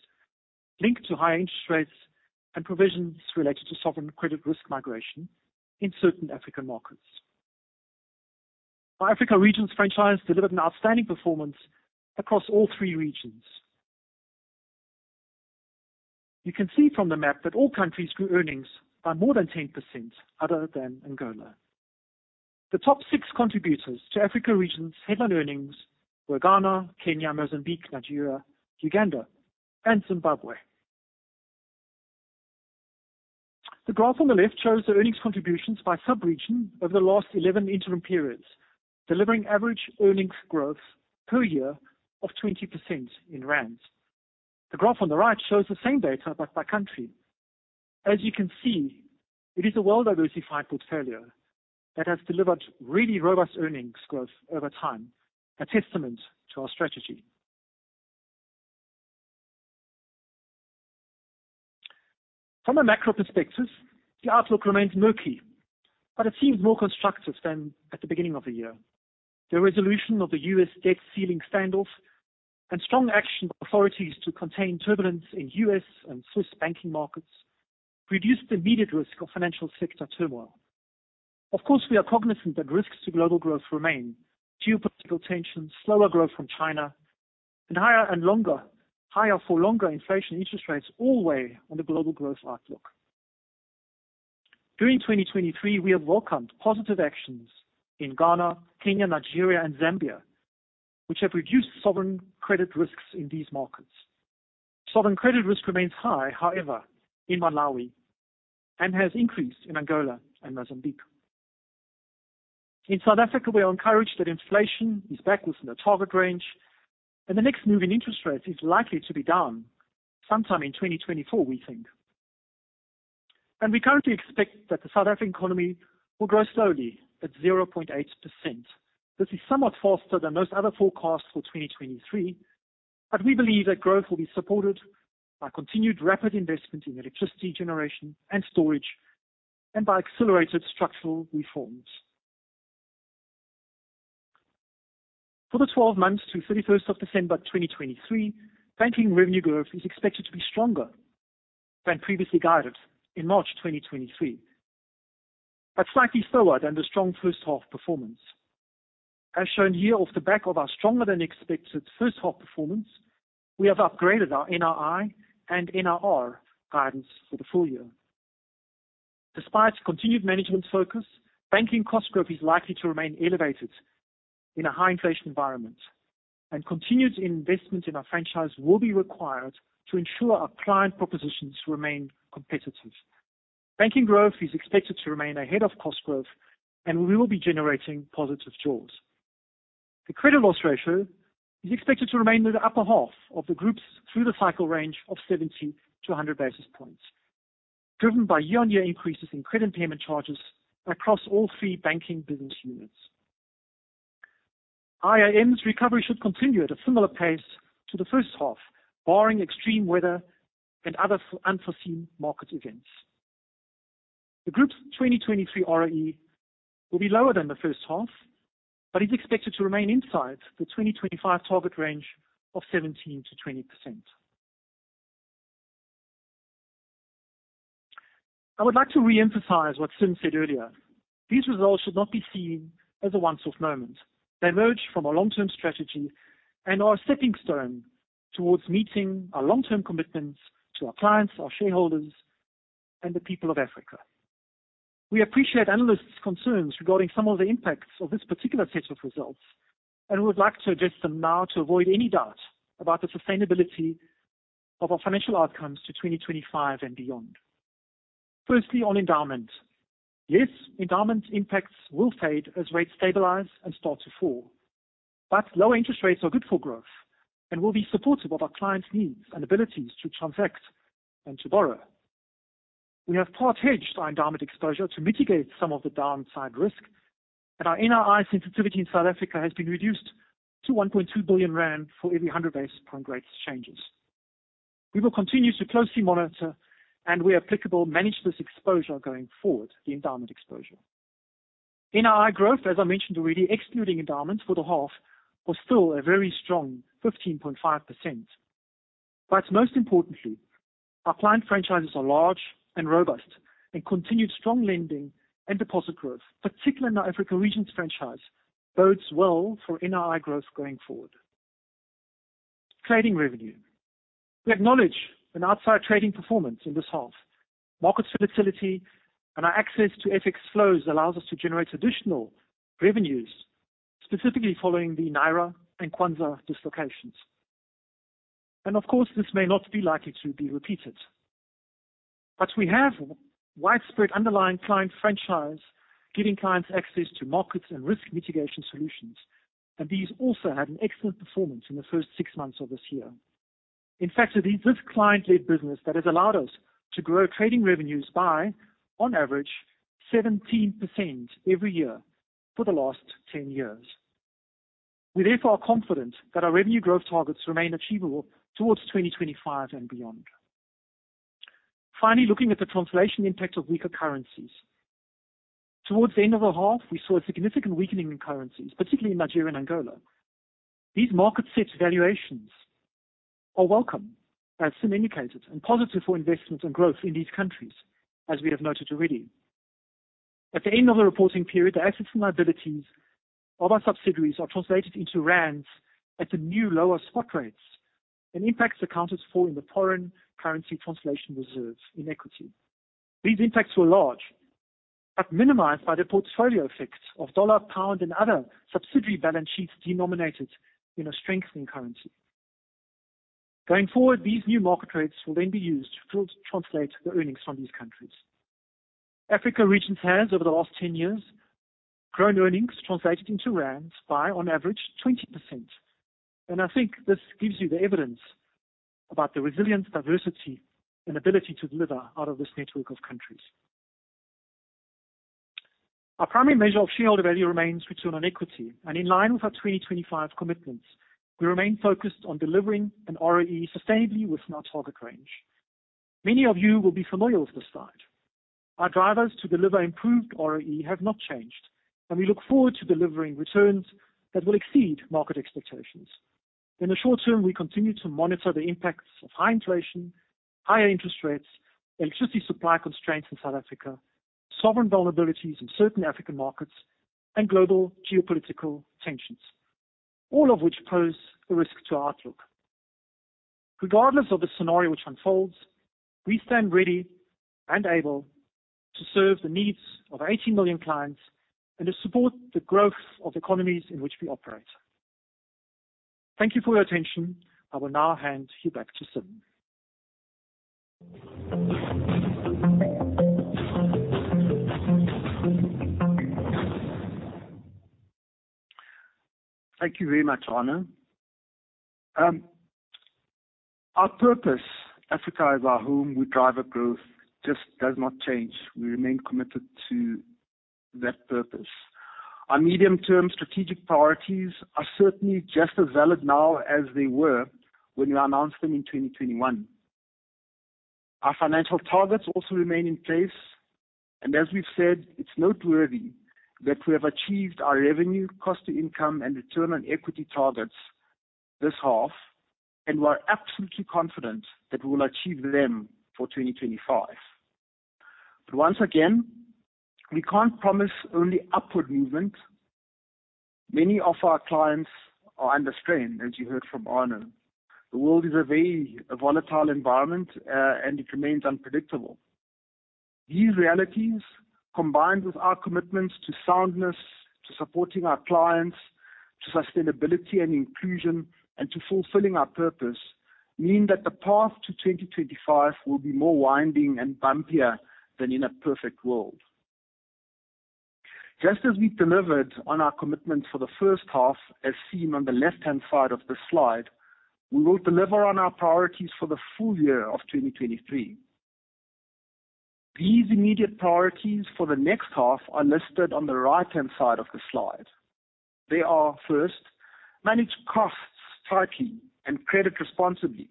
linked to higher interest rates and provisions related to sovereign credit risk migration in certain African markets. Our Africa Regions franchise delivered an outstanding performance across all 3 regions. You can see from the map that all countries grew earnings by more than 10%, other than Angola. The top 6 contributors to Africa Regions headline earnings were Ghana, Kenya, Mozambique, Nigeria, Uganda, and Zimbabwe. The graph on the left shows the earnings contributions by subregion over the last 11 interim periods, delivering average earnings growth per year of 20% in rands. The graph on the right shows the same data, but by country. As you can see, it is a well-diversified portfolio that has delivered really robust earnings growth over time, a testament to our strategy. From a macro perspective, the outlook remains murky, but it seems more constructive than at the beginning of the year. The resolution of the US debt ceiling standoff and strong action by authorities to contain turbulence in U.S. and Swiss banking markets reduced the immediate risk of financial sector turmoil. Of course, we are cognizant that risks to global growth remain. Geopolitical tensions, slower growth from China, and higher and longer, higher for longer inflation interest rates all weigh on the global growth outlook. During 2023, we have welcomed positive actions in Ghana, Kenya, Nigeria, and Zambia, which have reduced sovereign credit risks in these markets. Sovereign credit risk remains high, however, in Malawi, and has increased in Angola and Mozambique. In South Africa, we are encouraged that inflation is back within the target range. The next move in interest rates is likely to be down sometime in 2024, we think. We currently expect that the South African economy will grow slowly at 0.8%. This is somewhat faster than most other forecasts for 2023, but we believe that growth will be supported by continued rapid investment in electricity generation and storage, and by accelerated structural reforms. For the 12 months to 31st of December 2023, banking revenue growth is expected to be stronger than previously guided in March 2023, but slightly slower than the strong H1 performance. As shown here, off the back of our stronger-than-expected H1 performance, we have upgraded our NII and NIR guidance for the full year. Despite continued management focus, banking cost growth is likely to remain elevated in a high inflation environment, and continued investment in our franchise will be required to ensure our client propositions remain competitive. Banking growth is expected to remain ahead of cost growth, and we will be generating positive jaws. The credit loss ratio is expected to remain in the upper half of the Group's through the cycle range of 70 to 100 basis points, driven by year-on-year increases in credit impairment charges across all three banking business units. NIM's recovery should continue at a similar pace to the H1, barring extreme weather and other unforeseen market events. The Group's 2023 ROE will be lower than the H1, but is expected to remain inside the 2025 target range of 17%-20%. I would like to reemphasize what Sim said earlier. These results should not be seen as a once-off moment. They emerge from a long-term strategy and are a stepping stone towards meeting our long-term commitments to our clients, our shareholders, and the people of Africa. We appreciate analysts' concerns regarding some of the impacts of this particular set of results, and we would like to address them now to avoid any doubt about the sustainability of our financial outcomes to 2025 and beyond. Firstly, on endowment. Yes, endowment impacts will fade as rates stabilize and start to fall, but low interest rates are good for growth and will be supportive of our clients' needs and abilities to transact and to borrow. We have part hedged our endowment exposure to mitigate some of the downside risk, and our NII sensitivity in South Africa has been reduced to 1.2 billion rand for every 100 basis point rates changes. We will continue to closely monitor, and where applicable, manage this exposure going forward, the endowment exposure. NII growth, as I mentioned already, excluding endowments for the half, was still a very strong 15.5%. Most importantly, our client franchises are large and robust, and continued strong lending and deposit growth, particularly in our Africa Regions franchise, bodes well for NII growth going forward. Trading revenue. We acknowledge an outside trading performance in this half. Market volatility and our access to FX flows allows us to generate additional revenues, specifically following the Naira and Kwanza dislocations. Of course, this may not be likely to be repeated. We have widespread underlying client franchise, giving clients access to markets and risk mitigation solutions, and these also had an excellent performance in the first 6 months of this year. In fact, it is this client-led business that has allowed us to grow trading revenues by, on average, 17% every year for the last 10 years. We therefore are confident that our revenue growth targets remain achievable towards 2025 and beyond. Finally, looking at the translation impact of weaker currencies. Towards the end of the half, we saw a significant weakening in currencies, particularly in Nigeria and Angola. These market-set valuations are welcome, as Sim indicated, and positive for investment and growth in these countries, as we have noted already. At the end of the reporting period, the assets and liabilities of our subsidiaries are translated into rands at the new lower spot rates, and impacts accounted for in the foreign currency translation reserves in equity. These impacts were large, but minimized by the portfolio effects of dollar, pound, and other subsidiary balance sheets denominated in a strengthening currency. Going forward, these new market rates will then be used to translate the earnings from these countries. Africa Regions has, over the last 10 years, grown earnings translated into rands by, on average, 20%. I think this gives you the evidence about the resilient diversity and ability to deliver out of this network of countries. Our primary measure of shareholder value remains return on equity, and in line with our 2025 commitments, we remain focused on delivering an ROE sustainably within our target range. Many of you will be familiar with this slide. Our drivers to deliver improved ROE have not changed, and we look forward to delivering returns that will exceed market expectations. In the short term, we continue to monitor the impacts of high inflation, higher interest rates, electricity supply constraints in South Africa, sovereign vulnerabilities in certain African markets, and global geopolitical tensions, all of which pose a risk to our outlook. Regardless of the scenario which unfolds, we stand ready and able to serve the needs of our 18 million clients and to support the growth of economies in which we operate. Thank you for your attention. I will now hand you back to Sim. Thank you very much, Arno. Our purpose, Africa is our home, we drive at growth, just does not change. We remain committed to that purpose. Our medium-term strategic priorities are certainly just as valid now as they were when we announced them in 2021. Our financial targets also remain in place, and as we've said, it's noteworthy that we have achieved our revenue, cost to income, and return on equity targets this half, and we are absolutely confident that we will achieve them for 2025. Once again, we can't promise only upward movement. Many of our clients are under strain, as you heard from Arno. The world is a very volatile environment, and it remains unpredictable. These realities, combined with our commitments to soundness, to supporting our clients, to sustainability and inclusion, and to fulfilling our purpose, mean that the path to 2025 will be more winding and bumpier than in a perfect world. Just as we delivered on our commitment for the H1, as seen on the left-hand side of this slide, we will deliver on our priorities for the full year of 2023. These immediate priorities for the next half are listed on the right-hand side of the slide. They are, first, manage costs tightly and credit responsibly,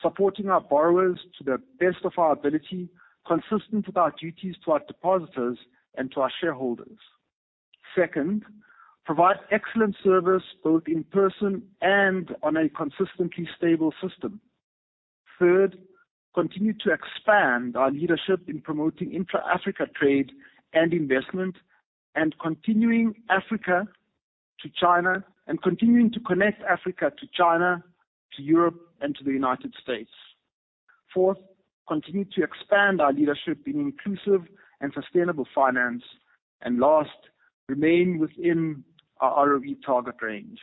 supporting our borrowers to the best of our ability, consistent with our duties to our depositors and to our shareholders. Second, provide excellent service, both in person and on a consistently stable system. Third, continue to expand our leadership in promoting intra-Africa trade and investment, continuing to connect Africa to China, to Europe, and to the United States. Fourth, continue to expand our leadership in inclusive and sustainable finance. Last, remain within our ROE target range.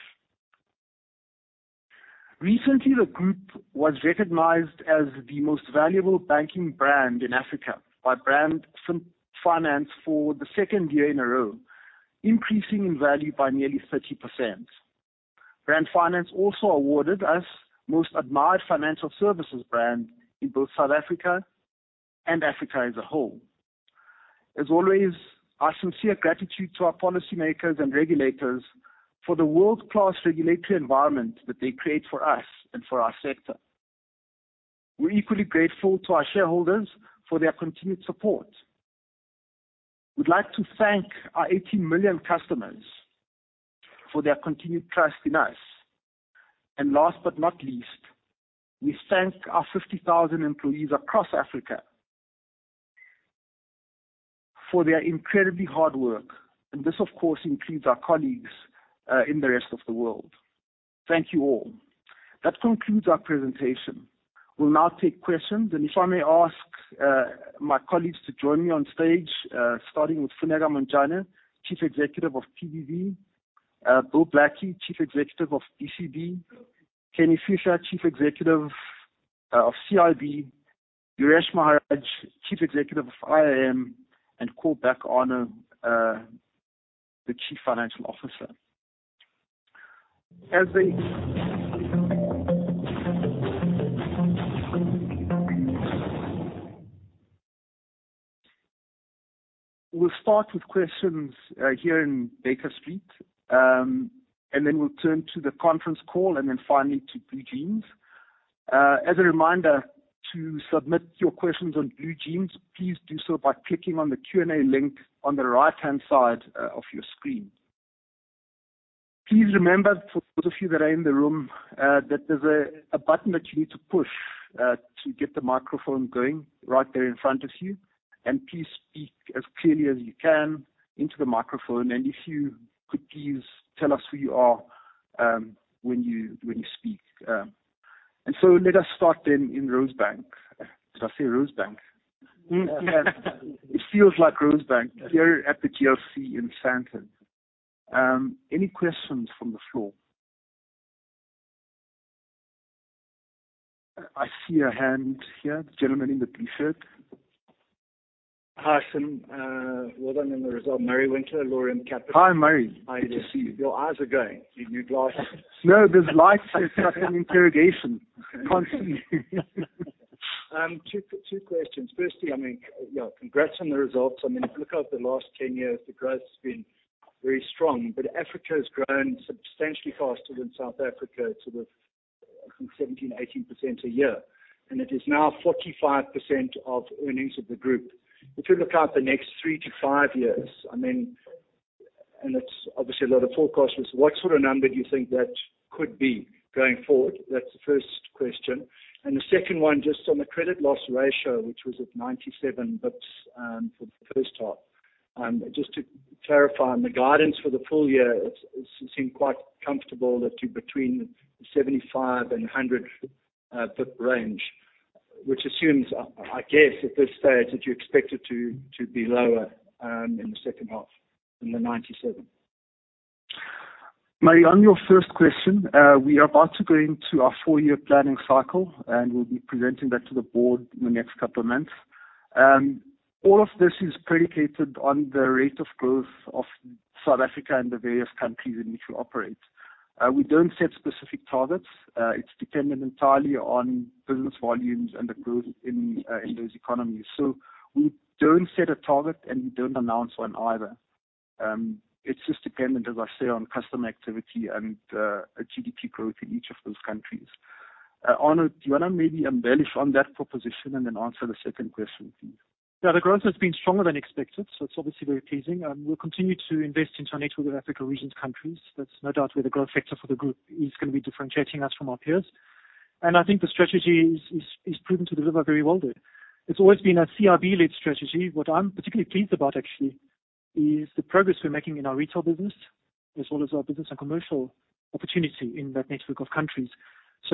Recently, the group was recognized as the most valuable banking brand in Africa by Brand Finance for the second year in a row, increasing in value by nearly 30%. Brand Finance also awarded us Most Admired Financial Services brand in both South Africa and Africa as a whole. As always, our sincere gratitude to our policymakers and regulators for the world-class regulatory environment that they create for us and for our sector. We're equally grateful to our shareholders for their continued support. We'd like to thank our 18 million customers for their continued trust in us. Last but not least, we thank our 50,000 employees across Africa for their incredibly hard work, and this, of course, includes our colleagues in the rest of the world. Thank you, all. That concludes our presentation. We'll now take questions, and if I may ask, my colleagues to join me on stage, starting with Funeka Montjane, Chief Executive of PBB, Bill Blackie, Chief Executive of ICBC, Kenny Fihla, Chief Executive of CIB, Yuresh Maharaj, Chief Executive of IAM, and Arno Daehnke, the Chief Financial Officer. We'll start with questions here in Baker Street, and then we'll turn to the conference call and then finally to BlueJeans. A reminder, to submit your questions on BlueJeans, please do so by clicking on the Q&A link on the right-hand side of your screen. Please remember, for those of you that are in the room, that there's a button that you need to push to get the microphone going right there in front of you, and please speak as clearly as you can into the microphone. If you could please tell us who you are, when you, when you speak. Let us start then in Rosebank. Did I say Rosebank? It feels like Rosebank here at the GLC in Sandton. Any questions from the floor? I see a hand here, the gentleman in the blue shirt. Hi, well, done in the result. Myles Ruck, Laurium Capital. Hi, Myles. Hi. Good to see you. Your eyes are going. Your new glasses. No, this light is like an interrogation, constantly. Two questions. Firstly, congrats on the results. If you look at the last 10 years, the growth has been very strong, but Africa has grown substantially faster than South Africa, sort of, I think 17%-18% a year, and it is now 45% of earnings of the group. If you look out the next 3-5 years, and it's obviously a lot of forecasting, what sort of number do you think that could be going forward? That's the first question. The second one, just on the credit loss ratio, which was at 97 basis points for the H1. Just to clarify, on the guidance for the full year, it seemed quite comfortable that you're between 75 and 100 bp range, which assumes, I guess, at this stage, that you expect it to be lower in the H2 than the 97. Myles, on your first question, we are about to go into our four-year planning cycle, and we'll be presenting that to the board in the next couple of months. All of this is predicated on the rate of growth of South Africa and the various countries in which we operate. We don't set specific targets. It's dependent entirely on business volumes and the growth in those economies. We don't set a target, and we don't announce one either. It's just dependent, as I say, on customer activity and GDP growth in each of those countries. Honor, do you want to maybe embellish on that proposition and then answer the second question, please? Yeah, the growth has been stronger than expected, so it's obviously very pleasing. We'll continue to invest into our network of Africa Regions countries. That's no doubt where the growth factor for the group is gonna be differentiating us from our peers. I think the strategy is, is, is proven to deliver very well there. It's always been a CIB-led strategy. What I'm particularly pleased about, actually, is the progress we're making in our retail business, as well as our Business and Commercial opportunity in that network of countries.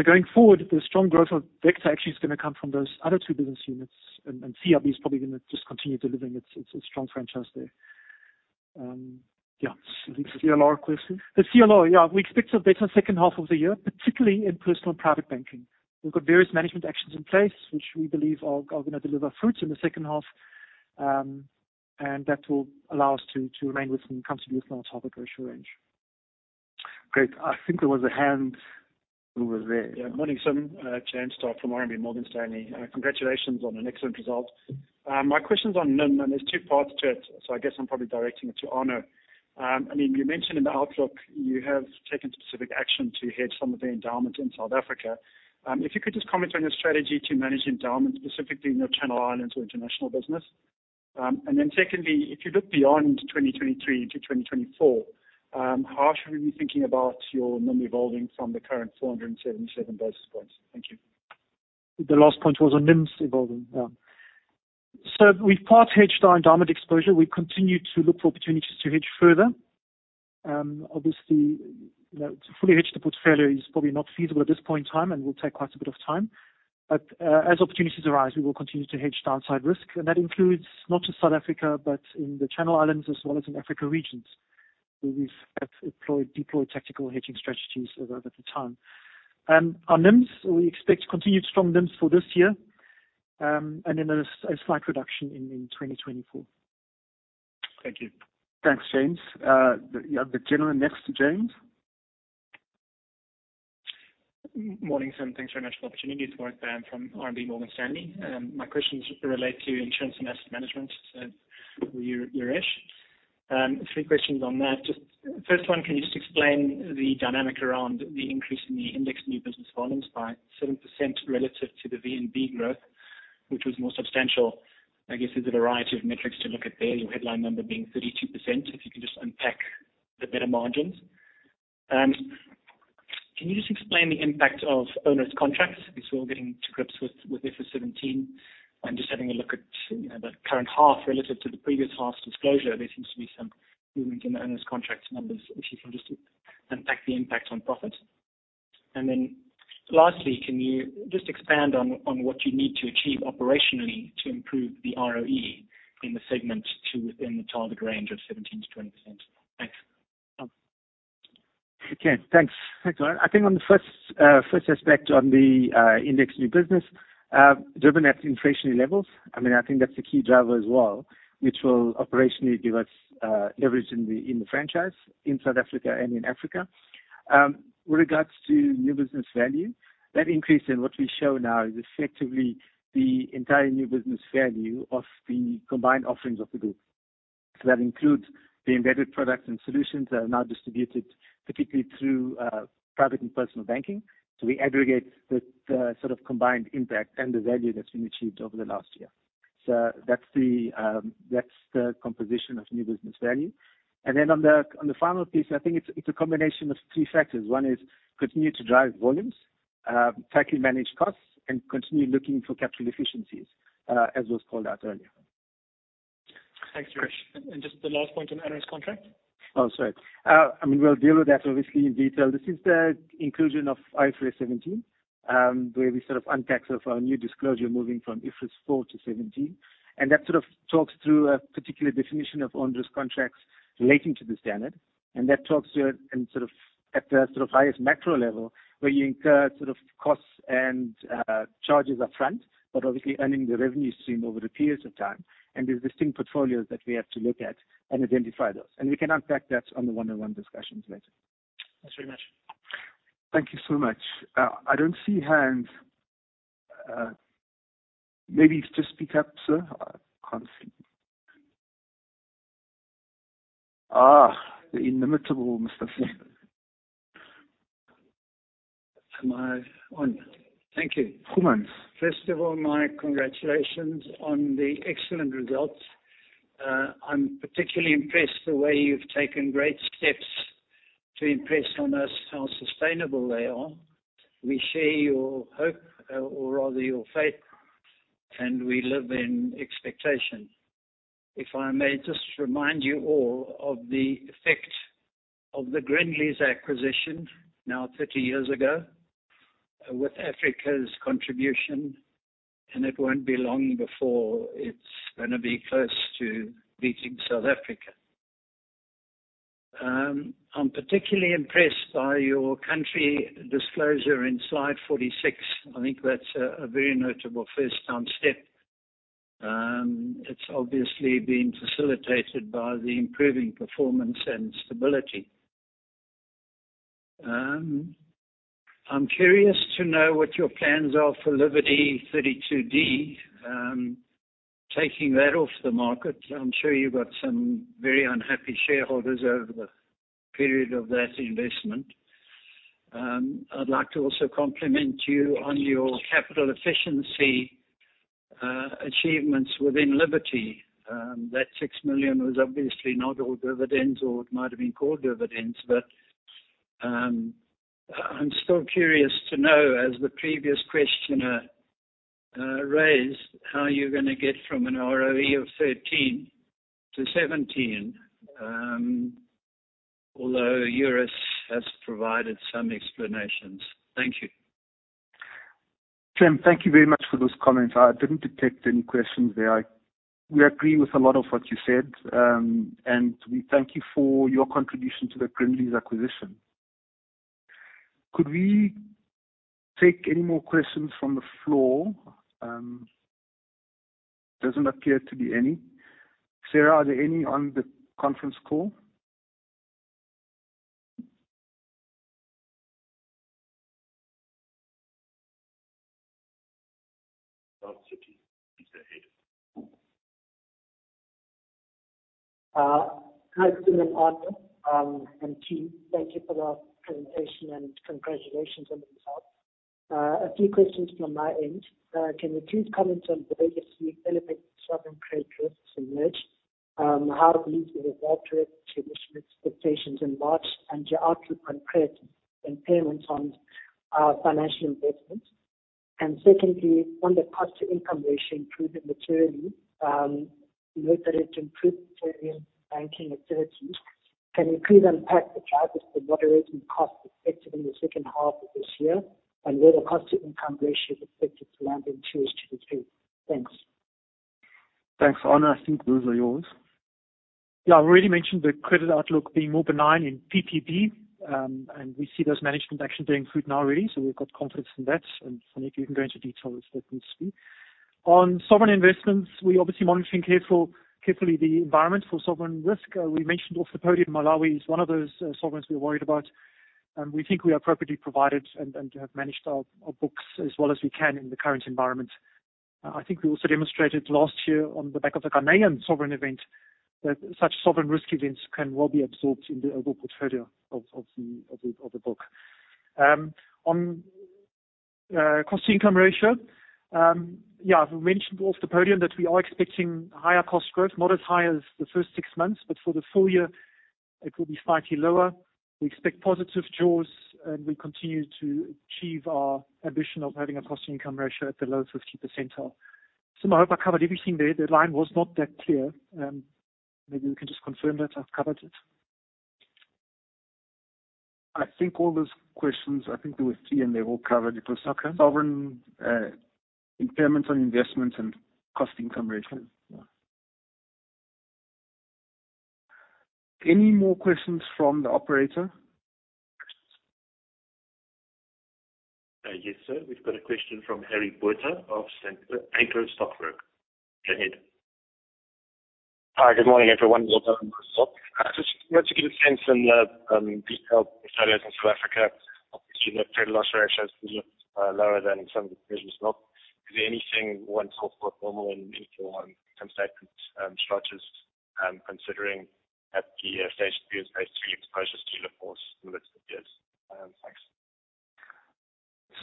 Going forward, the strong growth of vector actually is gonna come from those other two business units, and CIB is probably gonna just continue delivering its, its strong franchise there. Yeah, the CLR question? The CLR, yeah. We expect to better H2 of the year, particularly in Personal and Private Banking. We've got various management actions in place, which we believe are gonna deliver fruits in the H2. That will allow us to, to remain within comfortable with our target ratio range. Great. I think there was a hand who was there. Yeah. Morning, sir. James Starke from RMB Morgan Stanley. Congratulations on an excellent result. My question's on NIM, and there's 2 parts to it, so I guess I'm probably directing it to Arno. I mean, you mentioned in the outlook you have taken specific action to hedge some of the endowments in South Africa. If you could just comment on your strategy to manage endowments, specifically in the Channel Islands or international business. Then secondly, if you look beyond 2023 to 2024, how should we be thinking about your NIM evolving from the current 477 basis points? Thank you. The last point was on NIMs evolving. We've part hedged our endowment exposure. We continue to look for opportunities to hedge further. Obviously, to fully hedge the portfolio is probably not feasible at this point in time and will take quite a bit of time. As opportunities arise, we will continue to hedge downside risk, and that includes not just South Africa, but in the Channel Islands as well as in Africa Regions, where we've employed, deployed tactical hedging strategies over the time. Our NIMs, we expect continued strong NIMs for this year, and then a slight reduction in 2024. Thank you. Thanks, James. You have the gentleman next to James. Morning, sir, and thanks very much for the opportunity. It's James Starke from RMB Morgan Stanley. My questions relate to Insurance and Asset Management, so you, Yuresh. Three questions on that. Just, first one, can you just explain the dynamic around the increase in the index new business value by 7% relative to the VNB growth, which was more substantial? I guess there's a variety of metrics to look at there, your headline number being 32%. If you can just unpack the better margins. Can you just explain the impact of onerous contracts? We're still getting to grips with, with IFRS 17 and just having a look at, you know, the current half relative to the previous half's disclosure. There seems to be some movement in the onerous contracts numbers. If you can just unpack the impact on profit. Lastly, can you just expand on, on what you need to achieve operationally to improve the ROE in the segment to, within the target range of 17%-20%? Thanks. Okay, thanks. Thanks, Arno. I think on the first, first aspect on the index new business, driven at inflationary levels, I mean, I think that's the key driver as well, which will operationally give us leverage in the franchise, in South Africa and in Africa. With regards to new business value, that increase in what we show now is effectively the entire new business value of the combined offerings of the group. That includes the embedded products and solutions that are now distributed, particularly through Personal and Private Banking. We aggregate the sort of combined impact and the value that's been achieved over the last year. That's the, that's the composition of new business value. On the final piece, I think it's a combination of three factors. One is continue to drive volumes, tightly manage costs, and continue looking for capital efficiencies, as was called out earlier. Thanks, Yuresh. Just the last point on owners contract. Oh, sorry. I mean, we'll deal with that obviously in detail. This is the inclusion of IFRS 17, where we sort of unpack some of our new disclosure, moving from IFRS 4 to 17. That sort of talks through a particular definition of onerous contracts relating to the standard, and that talks to it and sort of at the sort of highest macro level, where you incur sort of costs and charges upfront, but obviously earning the revenue stream over the periods of time. There's distinct portfolios that we have to look at and identify those. We can unpack that on the one-on-one discussions later. Thanks very much. Thank you so much. I don't see hands. Maybe just speak up, sir. I can't see. Ah, the inimitable Mr. Levin. Am I on? Thank you. Human. First of all, my congratulations on the excellent results. I'm particularly impressed the way you've taken great steps to impress on us how sustainable they are. We share your hope, or rather your faith, we live in expectation. If I may just remind you all of the effect of the Grindlays acquisition now 30 years ago, with Africa's contribution, it won't be long before it's gonna be close to beating South Africa. I'm particularly impressed by your country disclosure in slide 46. I think that's a very notable first-time step. It's obviously been facilitated by the improving performance and stability. I'm curious to know what your plans are for Liberty Two Degrees, taking that off the market. I'm sure you got some very unhappy shareholders over the period of that investment. I'd like to also compliment you on your capital efficiency, achievements within Liberty. That 6 million was obviously not all dividends or it might have been called dividends. I'm still curious to know, as the previous questioner, raised, how you're gonna get from an ROE of 13 to 17, although Juris has provided some explanations. Thank you. Sim, thank you very much for those comments. I didn't detect any questions there. We agree with a lot of what you said, and we thank you for your contribution to the Grindlays acquisition. Could we take any more questions from the floor? Doesn't appear to be any. Sarah, are there any on the conference call? Hi, Sim and Arno, and team. Thank you for the presentation and congratulations on the results. A few questions from my end. Can you please comment on the way you see elevated sovereign credit risks emerge, how do you believe it evolved to initial expectations in March, and your outlook on credit impairments on financial investments? Secondly, on the cost-to-income ratio improvement materially, you noted it improved in banking activities. Can you please unpack the drivers for moderating costs effective in the H2 of this year, and where the cost-to-income ratio is expected to land in 2H23? Thanks. Thanks, Arnold. I think those are yours. Yeah, I already mentioned the credit outlook being more benign in PBB, and we see those management actions bearing fruit now already, so we've got confidence in that. If you can go into detail, that would speak. On sovereign investments, we're obviously monitoring carefully the environment for sovereign risk. We mentioned off the podium, Malawi is one of those sovereigns we're worried about, and we think we are appropriately provided and have managed our books as well as we can in the current environment. I think we also demonstrated last year on the back of the Ghanaian sovereign event, that such sovereign risk events can well be absorbed in the overall portfolio of the book. On cost-to-income ratio, yeah, I've mentioned off the podium that we are expecting higher cost growth, not as high as the first six months, but for the full year it will be slightly lower. We expect positive jaws, and we continue to achieve our ambition of having a cost-to-income ratio at the low 50 percentile. I hope I covered everything there. The line was not that clear, maybe you can just confirm that I've covered it. I think all those questions, I think there were three, and they're all covered. It was okay. Sovereign, impairments on investments and cost-to-income ratio. Yeah. Any more questions from the operator? Yes, sir. We've got a question from Harry Botha of Anchor Stockbrokers. Go ahead. Hi, good morning, everyone. Welcome. Just want to get a sense in the detail in South Africa. Obviously, credit loss ratio is lower than in some regions not. Is there anything one call for normal in, in terms structures, considering at the Stage 3 exposures to the force in the last few years? Thanks.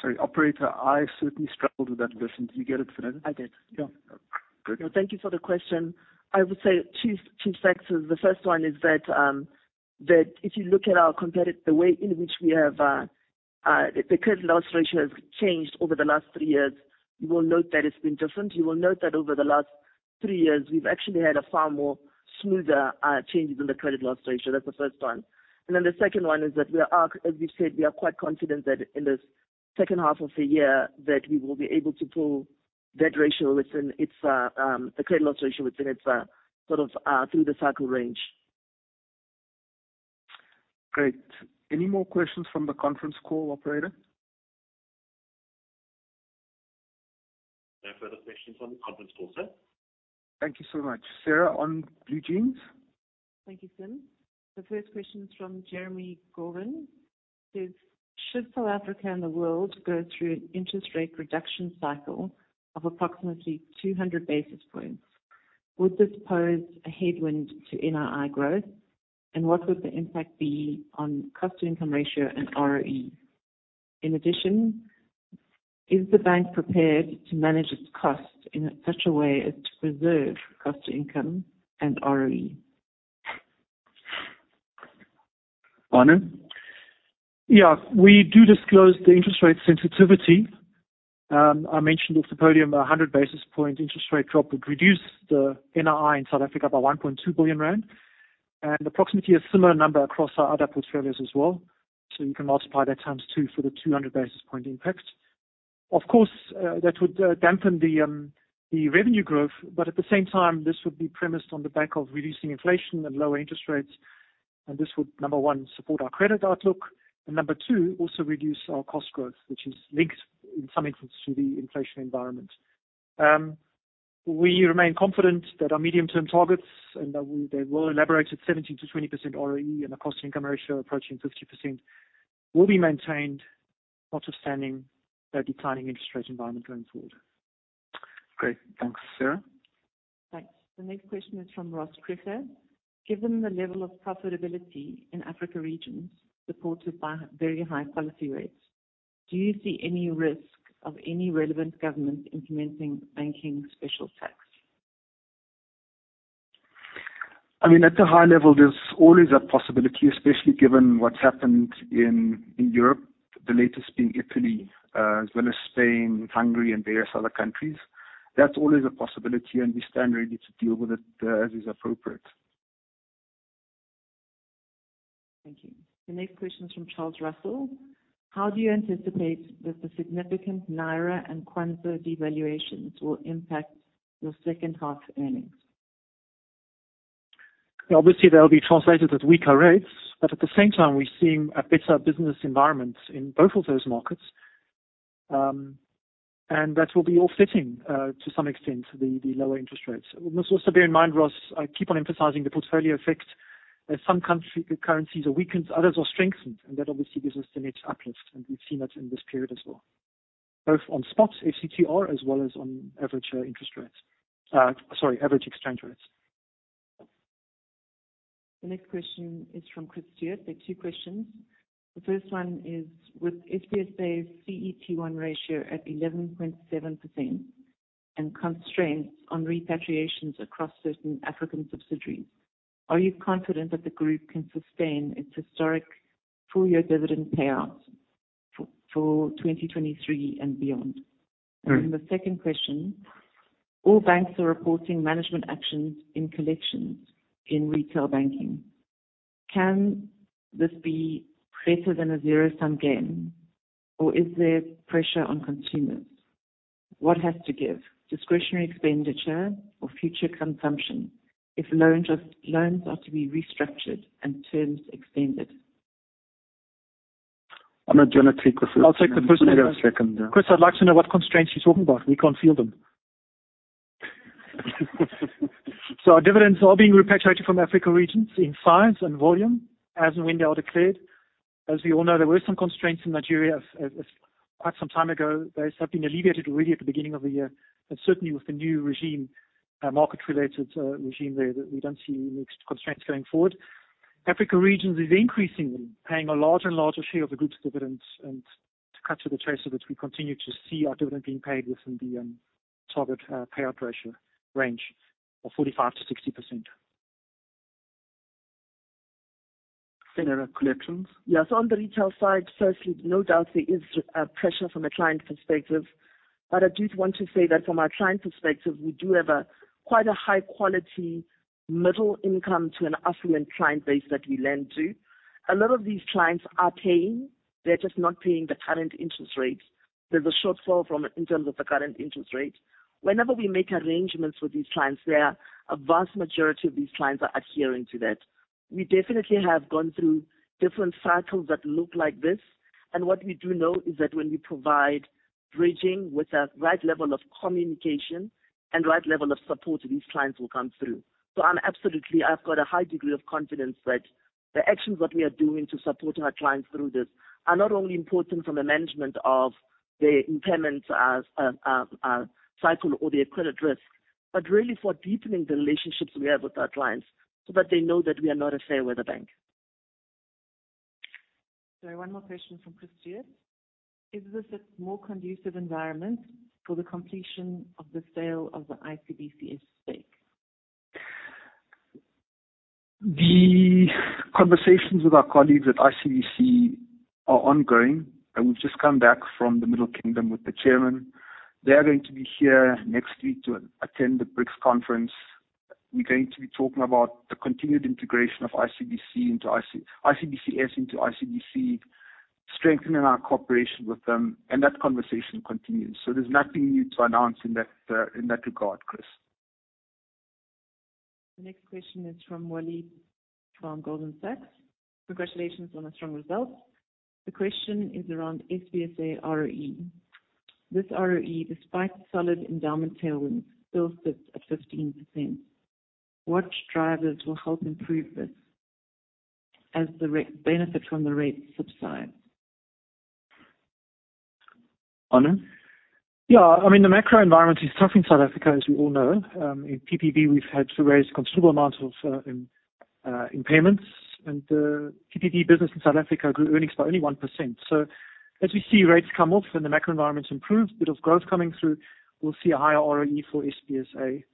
Sorry, operator. I certainly struggled with that question. Did you get it, Phyllis? I did. Yeah. Good. Thank you for the question. I would say 2, 2 factors. The first one is that if you look at our competitive, the way in which we have, the credit loss ratio has changed over the last 3 years, you will note that it's been different. You will note that over the last 3 years, we've actually had a far more smoother, change in the credit loss ratio. That's the first one. The second one is that we are, as we've said, we are quite confident that in the H2 of the year, that we will be able to pull that ratio within its, the credit loss ratio within its, sort of, through the cycle range. Great. Any more questions from the conference call, operator? No further questions on the conference call, sir. Thank you so much. Sarah, on BlueJeans. Thank you, Tim. The first question is from Jeremy Gorven. Should South Africa and the world go through an interest rate reduction cycle of approximately 200 basis points, would this pose a headwind to NII growth? What would the impact be on cost-to-income ratio and ROE? In addition, is the bank prepared to manage its costs in such a way as to preserve cost-to-income and ROE? Arnold? Yeah. We do disclose the interest rate sensitivity. I mentioned off the podium, 100 basis point interest rate drop would reduce the NII in South Africa by 1.2 billion rand, and approximately a similar number across our other portfolios as well. You can multiply that times 2 for the 200 basis point impact. Of course, that would dampen the revenue growth, but at the same time, this would be premised on the back of reducing inflation and lower interest rates. This would, number 1, support our credit outlook, and number 2, also reduce our cost growth, which is linked in some instances to the inflation environment. We remain confident that our medium-term targets, and that we, they will elaborate at 17%-20% ROE and the cost-to-income ratio approaching 50%, will be maintained, notwithstanding the declining interest rate environment going forward. Great. Thanks, Sarah. Thanks. The next question is from Ross Krige. Given the level of profitability in Africa Regions supported by very high quality rates, do you see any risk of any relevant government implementing banking special tax? I mean, at a high level, there's always a possibility, especially given what's happened in, in Europe, the latest being Italy, as well as Spain, Hungary, and various other countries. That's always a possibility, and we stand ready to deal with it, as is appropriate. Thank you. The next question is from Charles Russell. How do you anticipate that the significant Naira and Kwanza devaluations will impact your H2 earnings? Obviously, they'll be translated as weaker rates, but at the same time, we're seeing a better business environment in both of those markets. That will be offsetting to some extent, the, the lower interest rates. We must also bear in mind, Russ, I keep on emphasizing the portfolio effect. As some country currencies are weakened, others are strengthened, and that obviously gives us a net uplift, and we've seen that in this period as well, both on spots, FCTR, as well as on average interest rates. Sorry, average exchange rates. The next question is from Chris Steward. There are two questions. The first one is: With SBSA's CET1 ratio at 11.7% and constraints on repatriations across certain African subsidiaries, are you confident that the group can sustain its historic full-year dividend payouts for 2023 and beyond? Mm. Then the second question: All banks are reporting management actions in collections in retail banking. Can this be greater than a zero-sum game, or is there pressure on consumers? What has to give, discretionary expenditure or future consumption, if loans are to be restructured and terms extended? I'm not gonna take this. I'll take the first one. Wait a second, yeah. Chris, I'd like to know what constraints you're talking about. We can't feel them. Our dividends are all being repatriated from Africa Regions in size and volume, as and when they are declared. As we all know, there were some constraints in Nigeria as quite some time ago. Those have been alleviated really at the beginning of the year, and certainly with the new regime, market-related regime there, that we don't see mixed constraints going forward. Africa Regions is increasingly paying a larger and larger share of the group's dividends, and to cut to the chase of it, we continue to see our dividend being paid within the target payout ratio range of 45%-60%. Collections? Yes, on the retail side, firstly, no doubt there is pressure from a client perspective. I do want to say that from our client perspective, we do have a quite a high quality, middle income to an affluent client base that we lend to. A lot of these clients are paying, they're just not paying the current interest rates. There's a shortfall from it in terms of the current interest rates. Whenever we make arrangements with these clients, there are a vast majority of these clients are adhering to that. We definitely have gone through different cycles that look like this. What we do know is that when we provide bridging with the right level of communication and right level of support, these clients will come through. I'm absolutely, I've got a high degree of confidence that the actions that we are doing to support our clients through this, are not only important from a management of the impairment as cycle or their credit risk, but really for deepening the relationships we have with our clients, so that they know that we are not a fair weather bank. Sorry, 1 more question from Chris Steward. Is this a more conducive environment for the completion of the sale of the ICBCS stake? The conversations with our colleagues at ICBC are ongoing. We've just come back from the Middle Kingdom with the chairman. They are going to be here next week to attend the BRICS conference. We're going to be talking about the continued integration of ICBC into ICBCS into ICBC, strengthening our cooperation with them, and that conversation continues. There's nothing new to announce in that regard, Chris. The next question is from Wale Adebayo, from Goldman Sachs. Congratulations on the strong results. The question is around SBSA ROE. This ROE, despite solid endowment tailwind, still sits at 15%. What drivers will help improve this as the benefit from the rate subside? Honor? Yeah, I mean, the macro environment is tough in South Africa, as we all know. In PBB, we've had to raise considerable amounts of in payments. PBB business in South Africa grew earnings by only 1%. As we see rates come off and the macro environment improves, bit of growth coming through, we'll see a higher ROE for SBSA.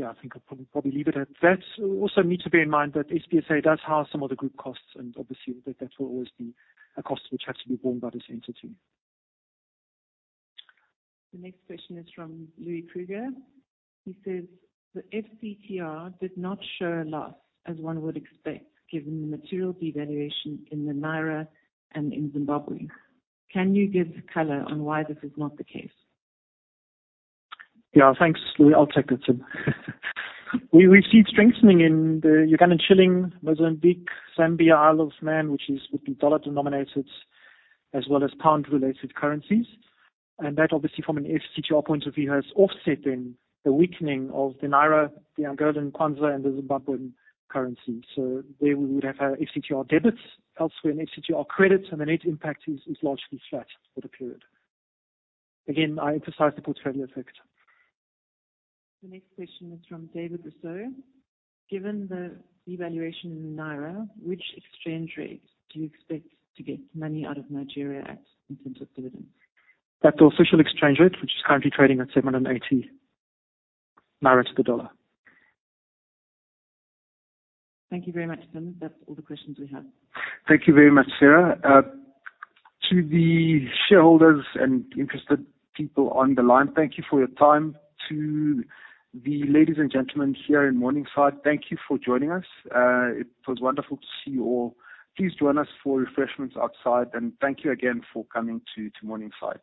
Yeah, I think I'll probably leave it at that. Need to bear in mind that SBSA does have some of the group costs, and obviously that, that will always be a cost which has to be borne by this entity. The next question is from Louis Kruger. He says: The FCTR did not show a loss, as one would expect, given the material devaluation in the naira and in Zimbabwe. Can you give color on why this is not the case? Yeah. Thanks, Louis. I'll take that too. We've received strengthening in the Ugandan shilling, Mozambique, Zambia, Isle of Man, which is, with the dollar-denominated, as well as pound-related currencies. That, obviously, from an FCTR point of view, has offsetting the weakening of the naira, the Angolan kwanza, and the Zimbabwean currency. There we would have our FCTR debits. Elsewhere in FCTR credits, the net impact is largely flat for the period. Again, I emphasize the portfolio effect. The next question is from David Leshilo. Given the devaluation in naira, which exchange rates do you expect to get money out of Nigeria at, in terms of dividends? At the official exchange rate, which is currently trading at 780 to the dollar. Thank you very much, Simon. That's all the questions we have. Thank you very much, Sarah. To the shareholders and interested people on the line, thank you for your time. To the ladies and gentlemen here in Morningside, thank you for joining us. It was wonderful to see you all. Please join us for refreshments outside, and thank you again for coming to Morningside.